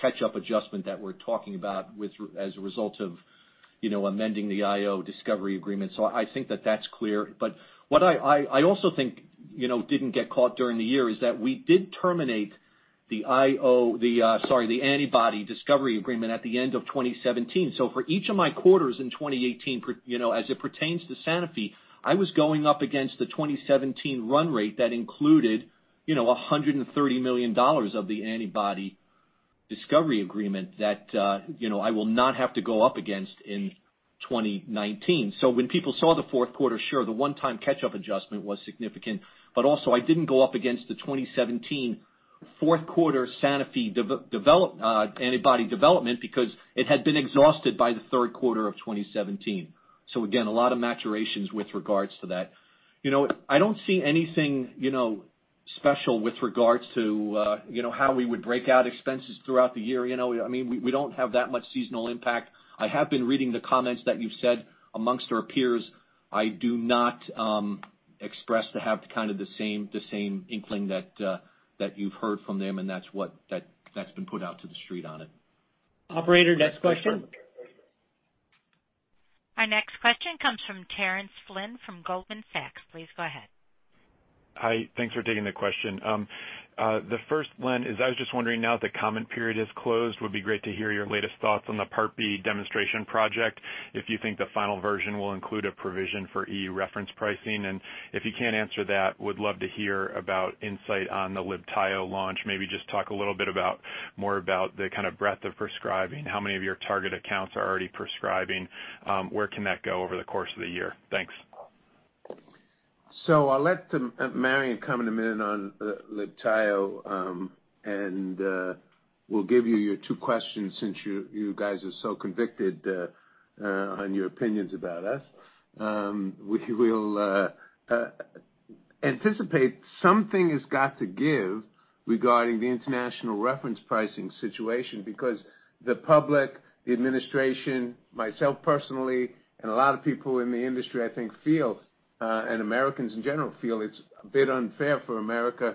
catch-up adjustment that we're talking about as a result of amending the IO discovery agreement. I think that that's clear. What I also think didn't get caught during the year is that we did terminate the antibody discovery agreement at the end of 2017. For each of my quarters in 2018, as it pertains to Sanofi, I was going up against the 2017 run rate that included, you know, $130 million of the antibody discovery agreement that I will not have to go up against in 2019. When people saw the fourth quarter, sure, the one-time catch-up adjustment was significant, but also I didn't go up against the 2017 fourth quarter Sanofi antibody development because it had been exhausted by the third quarter of 2017. Again, a lot of maturations with regards to that. I don't see anything special with regards to how we would break out expenses throughout the year. We don't have that much seasonal impact. I have been reading the comments that you've said amongst our peers. I do not express to have kind of the same inkling that you've heard from them, and that's been put out to the street on it. Operator, next question. Our next question comes from Terence Flynn from Goldman Sachs. Please go ahead. Hi. Thanks for taking the question. The first, Len, is I was just wondering now that the comment period is closed, would be great to hear your latest thoughts on the Part B demonstration project, if you think the final version will include a provision for EU reference pricing, and if you can't answer that, would love to hear about insight on the Libtayo launch. Maybe just talk a little bit more about the kind of breadth of prescribing, how many of your target accounts are already prescribing, where can that go over the course of the year? Thanks. I'll let Marion comment a minute on Libtayo. We'll give you your two questions since you guys are so convicted on your opinions about us. We'll anticipate something has got to give regarding the international reference pricing situation because the public, the administration, myself personally, and a lot of people in the industry, I think, feel, and Americans in general feel it's a bit unfair for America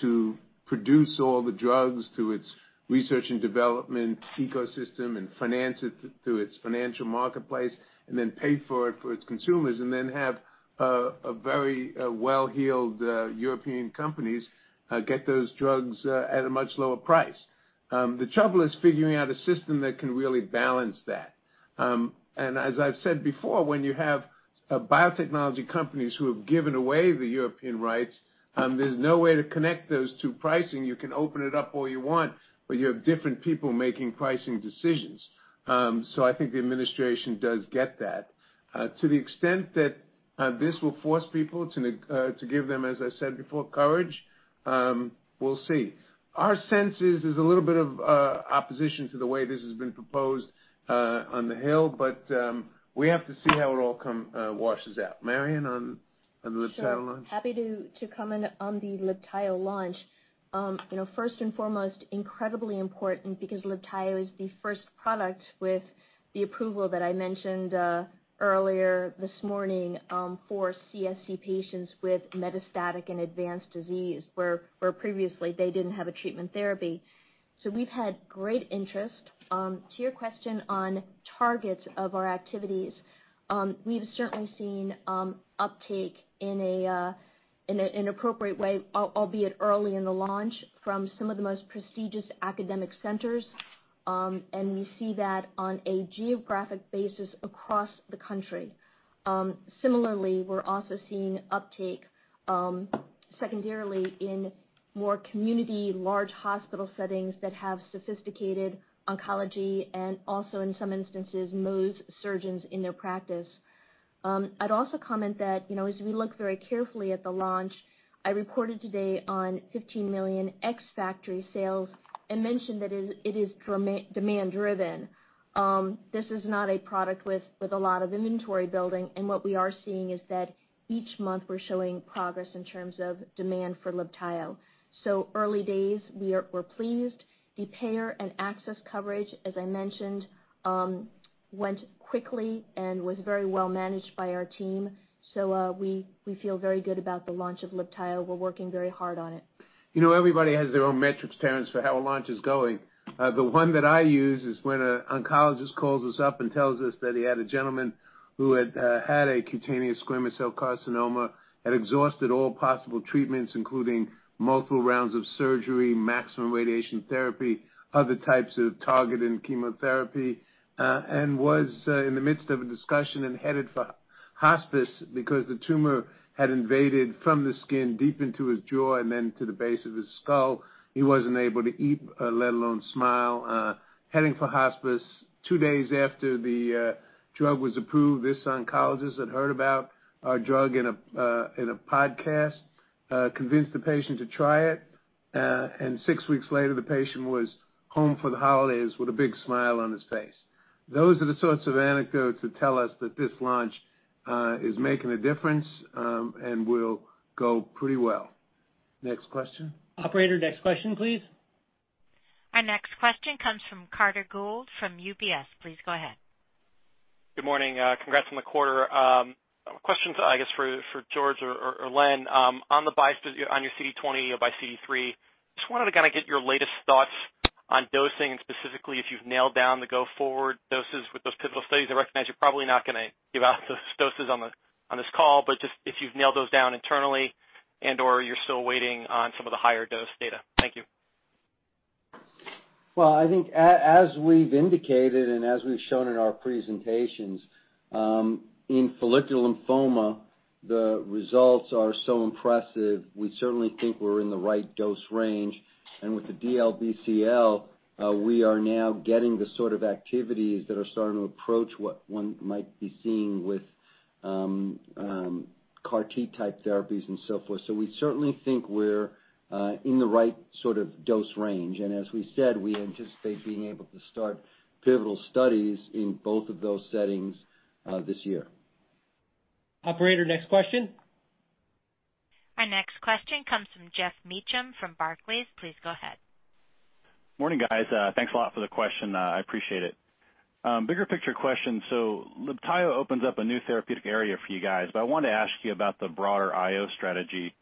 to produce all the drugs through its research and development ecosystem and finance it through its financial marketplace, and then pay for it for its consumers, and then have very well-heeled European companies get those drugs at a much lower price. The trouble is figuring out a system that can really balance that. As I've said before, when you have biotechnology companies who have given away the European rights, there's no way to connect those to pricing. You can open it up all you want, but you have different people making pricing decisions. I think the administration does get that. To the extent that this will force people to give them, as I said before, courage, we'll see. Our sense is there's a little bit of opposition to the way this has been proposed on the Hill, we have to see how it all washes out. Marion, on the Libtayo launch? Sure. Happy to comment on the Libtayo launch. First and foremost, incredibly important because Libtayo is the first product with the approval that I mentioned earlier this morning for CSCC patients with metastatic and advanced disease, where previously they didn't have a treatment therapy. We've had great interest. To your question on targets of our activities, we've certainly seen uptake in an appropriate way, albeit early in the launch, from some of the most prestigious academic centers. We see that on a geographic basis across the country. Similarly, we're also seeing uptake secondarily in more community large hospital settings that have sophisticated oncology and also, in some instances, Mohs surgeons in their practice. I'd also comment that, as we look very carefully at the launch, I reported today on $15 million ex-factory sales and mentioned that it is demand-driven. This is not a product with a lot of inventory building, and what we are seeing is that each month we're showing progress in terms of demand for Libtayo. Early days, we're pleased. The payer and access coverage, as I mentioned, went quickly and was very well managed by our team. We feel very good about the launch of Libtayo. We're working very hard on it. Everybody has their own metrics, Terence, for how a launch is going. The one that I use is when an oncologist calls us up and tells us that he had a gentleman who had had a cutaneous squamous cell carcinoma, had exhausted all possible treatments, including multiple rounds of surgery, maximum radiation therapy, other types of targeted chemotherapy, and was in the midst of a discussion and headed for hospice because the tumor had invaded from the skin deep into his jaw and then to the base of his skull. He wasn't able to eat, let alone smile. Heading for hospice two days after the drug was approved, this oncologist had heard about our drug in a podcast, convinced the patient to try it, and six weeks later, the patient was home for the holidays with a big smile on his face. Those are the sorts of anecdotes that tell us that this launch is making a difference and will go pretty well. Next question. Operator, next question, please. Our next question comes from Carter Gould from UBS. Please go ahead. Good morning. Congrats on the quarter. A question, I guess, for George or Len on your CD20 or by CD3, just wanted to kind of get your latest thoughts on dosing, specifically if you've nailed down the go forward doses with those pivotal studies. I recognize you're probably not going to give out those doses on this call, but just if you've nailed those down internally and/or you're still waiting on some of the higher dose data. Thank you. I think as we've indicated and as we've shown in our presentations, in follicular lymphoma, the results are so impressive, we certainly think we're in the right dose range. With the DLBCL, we are now getting the sort of activities that are starting to approach what one might be seeing with CAR T type therapies and so forth. We certainly think we're in the right sort of dose range. As we said, we anticipate being able to start pivotal studies in both of those settings this year. Operator, next question. Our next question comes from Geoff Meacham from Barclays. Please go ahead. Morning, guys. Thanks a lot for the question. I appreciate it. Bigger picture question. Libtayo opens up a new therapeutic area for you guys, but I wanted to ask you about the broader IO strategy.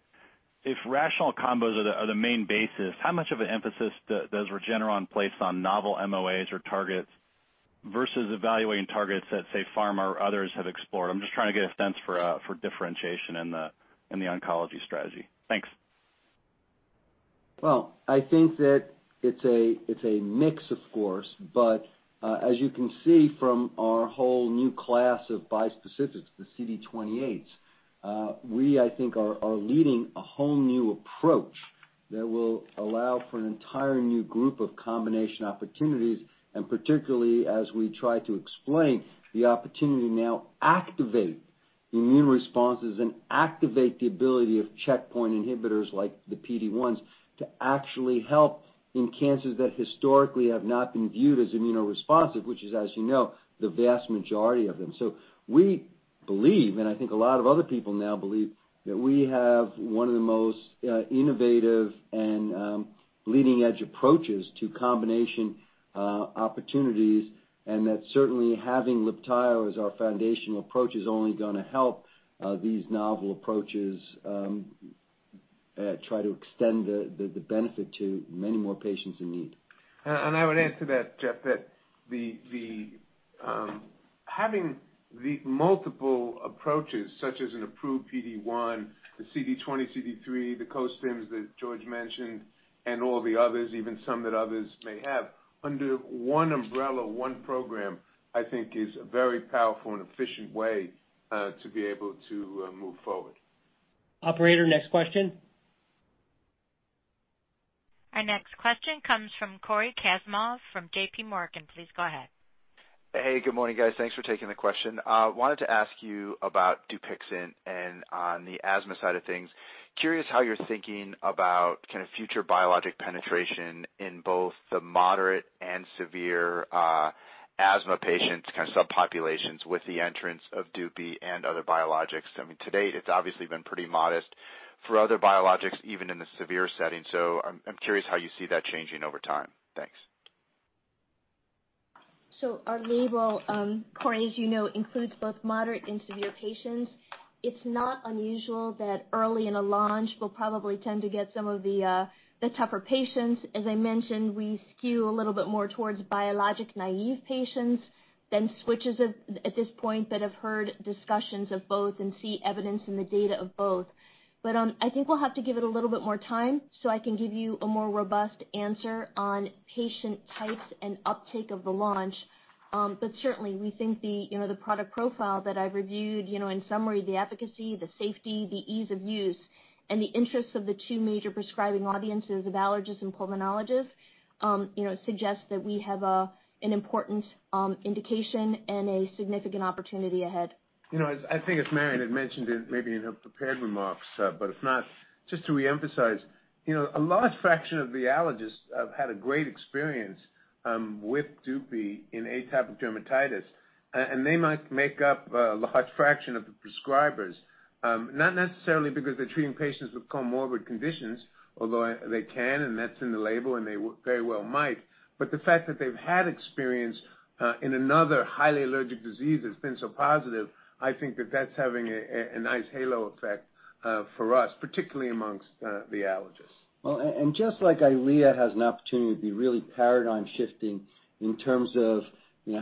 If rational combos are the main basis, how much of an emphasis does Regeneron place on novel MOAs or targets versus evaluating targets that, say, pharma or others have explored? I'm just trying to get a sense for differentiation in the oncology strategy. Thanks. Well, I think that it's a mix, of course, but as you can see from our whole new class of bispecific, the CD28s, we, I think, are leading a whole new approach that will allow for an entire new group of combination opportunities, and particularly as we try to explain the opportunity to now activate immune responses and activate the ability of checkpoint inhibitors like the PD-1s to actually help in cancers that historically have not been viewed as immuno-responsive, which is, as you know, the vast majority of them. We believe, and I think a lot of other people now believe, that we have one of the most innovative and leading edge approaches to combination opportunities, and that certainly having Libtayo as our foundational approach is only going to help these novel approaches try to extend the benefit to many more patients in need. I would add to that, Geoff, that having the multiple approaches such as an approved PD-1, the CD20, CD3, the costims that George mentioned, and all the others, even some that others may have, under one umbrella, one program, I think, is a very powerful and efficient way to be able to move forward. Operator, next question. Our next question comes from Cory Kasimov from JPMorgan. Please go ahead. Hey, good morning, guys. Thanks for taking the question. Wanted to ask you about Dupixent and on the asthma side of things. Curious how you're thinking about kind of future biologic penetration in both the moderate and severe asthma patients, kind of subpopulations with the entrance of Dupixent and other biologics. I mean, to date, it's obviously been pretty modest for other biologics, even in the severe setting. I'm curious how you see that changing over time. Thanks. Our label, Cory, as you know, includes both moderate and severe patients. It's not unusual that early in a launch, we'll probably tend to get some of the tougher patients. As I mentioned, we skew a little bit more towards biologic naive patients than switches at this point that have heard discussions of both and see evidence in the data of both. I think we'll have to give it a little bit more time so I can give you a more robust answer on patient types and uptake of the launch. Certainly, we think the product profile that I've reviewed, in summary, the efficacy, the safety, the ease of use, and the interests of the two major prescribing audiences of allergists and pulmonologists, suggests that we have an important indication and a significant opportunity ahead. I think as Marion had mentioned it maybe in her prepared remarks, if not, just to reemphasize, a large fraction of the allergists have had a great experience with Dupixent in atopic dermatitis, and they might make up a large fraction of the prescribers. Not necessarily because they're treating patients with comorbid conditions, although they can, and that's in the label, and they very well might. The fact that they've had experience in another highly allergic disease that's been so positive, I think that that's having a nice halo effect for us, particularly amongst the allergists. Just like EYLEA has an opportunity to be really paradigm shifting in terms of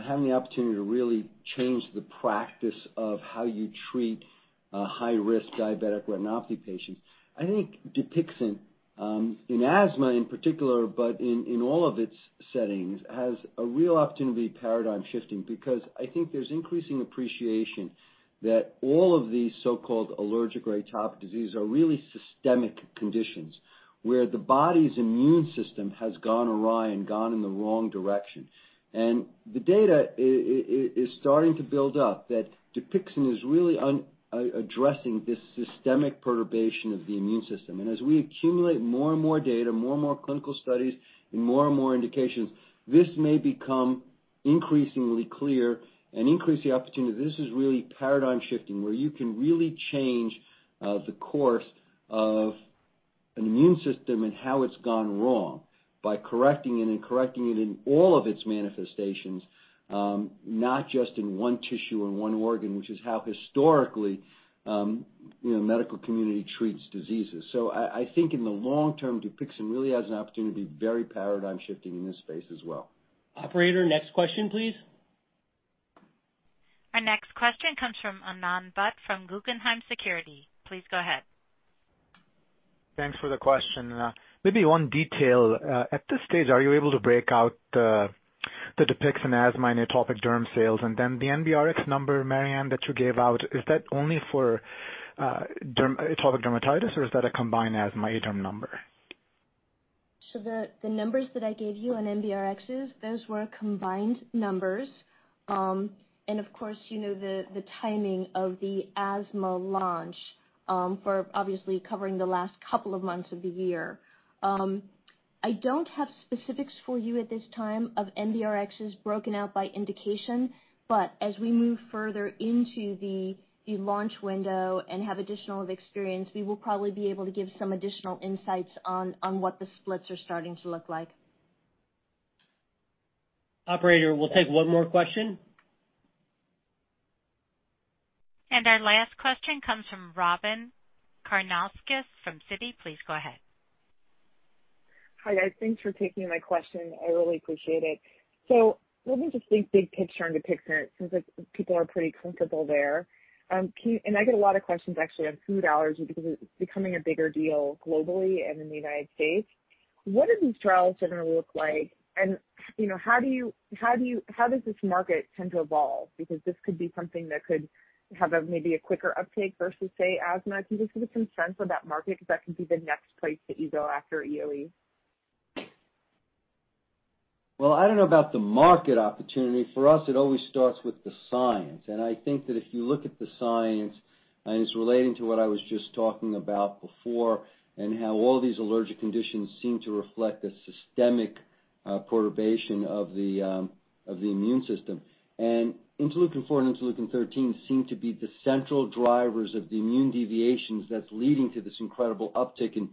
having the opportunity to really change the practice of how you treat high-risk diabetic retinopathy patients, I think Dupixent in asthma in particular, but in all of its settings, has a real opportunity to be paradigm shifting because I think there's increasing appreciation that all of these so-called allergic or atopic disease are really systemic conditions where the body's immune system has gone awry and gone in the wrong direction. The data is starting to build up that Dupixent is really addressing this systemic perturbation of the immune system. As we accumulate more and more data, more and more clinical studies, and more and more indications, this may become increasingly clear and increase the opportunity. This is really paradigm shifting, where you can really change the course of an immune system and how it's gone wrong by correcting it, and correcting it in all of its manifestations, not just in one tissue or one organ, which is how historically medical community treats diseases. I think in the long term, Dupixent really has an opportunity to be very paradigm shifting in this space as well. Operator, next question, please. Our next question comes from Adnan Butt from Guggenheim Securities. Please go ahead. Thanks for the question. Maybe one detail. At this stage, are you able to break out the Dupixent asthma and atopic derm sales? Then the NBRx number, Marion, that you gave out, is that only for atopic dermatitis, or is that a combined asthma atopic derm number? The numbers that I gave you on NBRx, those were combined numbers. Of course, you know the timing of the asthma launch for obviously covering the last couple of months of the year. I don't have specifics for you at this time of NBRx broken out by indication, but as we move further into the launch window and have additional experience, we will probably be able to give some additional insights on what the splits are starting to look like. Operator, we'll take one more question. Our last question comes from Robyn Karnauskas from Citi. Please go ahead. Hi, guys. Thanks for taking my question. I really appreciate it. Let me just think big picture on Dupixent, since people are pretty comfortable there. I get a lot of questions actually on food allergy because it's becoming a bigger deal globally and in the United States. What do these trials generally look like? How does this market tend to evolve? This could be something that could have maybe a quicker uptake versus, say, asthma. Can you just give some sense of that market? That could be the next place that you go after EoE. Well, I don't know about the market opportunity. For us, it always starts with the science. I think that if you look at the science and it's relating to what I was just talking about before, and how all these allergic conditions seem to reflect a systemic perturbation of the immune system. Interleukin-4 and interleukin-13 seem to be the central drivers of the immune deviations that's leading to this incredible uptick in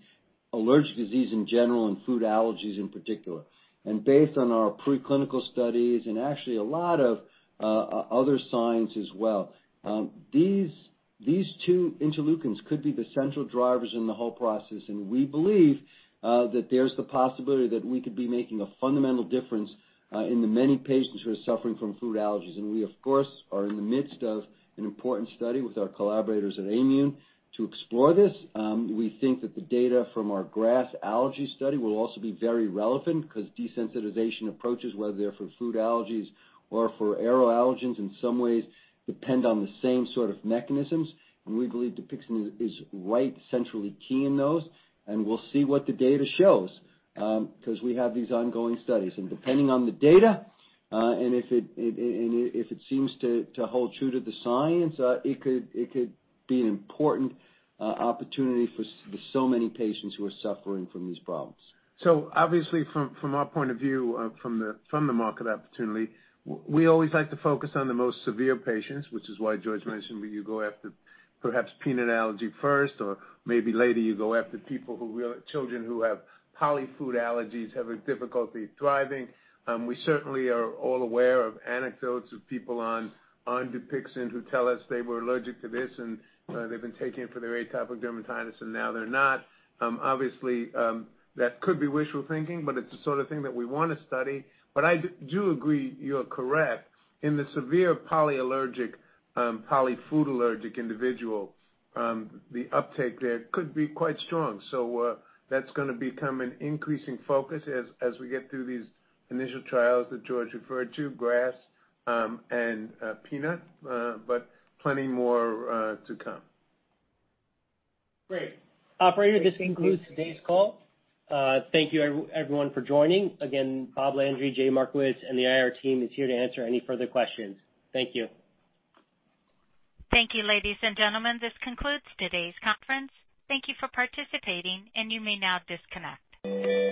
allergic disease in general and food allergies in particular. Based on our preclinical studies and actually a lot of other signs as well, these two interleukins could be the central drivers in the whole process. We believe that there's the possibility that we could be making a fundamental difference in the many patients who are suffering from food allergies. We of course, are in the midst of an important study with our collaborators at Aimmune to explore this. We think that the data from our grass allergy study will also be very relevant because desensitization approaches, whether they're for food allergies or for aero allergens, in some ways depend on the same sort of mechanisms. We believe Dupixent is right centrally key in those, and we'll see what the data shows, because we have these ongoing studies. Depending on the data, and if it seems to hold true to the science, it could be an important opportunity for so many patients who are suffering from these problems. Obviously from our point of view, from the market opportunity, we always like to focus on the most severe patients, which is why George mentioned you go after perhaps peanut allergy first, or maybe later you go after children who have polyfood allergies, have a difficulty thriving. We certainly are all aware of anecdotes of people on Dupixent who tell us they were allergic to this and they've been taking it for their atopic dermatitis and now they're not. Obviously, that could be wishful thinking, but it's the sort of thing that we want to study. I do agree. You're correct. In the severe polyallergic, polyfood allergic individual, the uptake there could be quite strong. That's going to become an increasing focus as we get through these initial trials that George referred to, grass and peanut, but plenty more to come. Great. Operator, this concludes today's call. Thank you everyone for joining. Again, Bob Landry, Jay Markowitz, and the IR team is here to answer any further questions. Thank you. Thank you, ladies and gentlemen. This concludes today's conference. Thank you for participating, and you may now disconnect.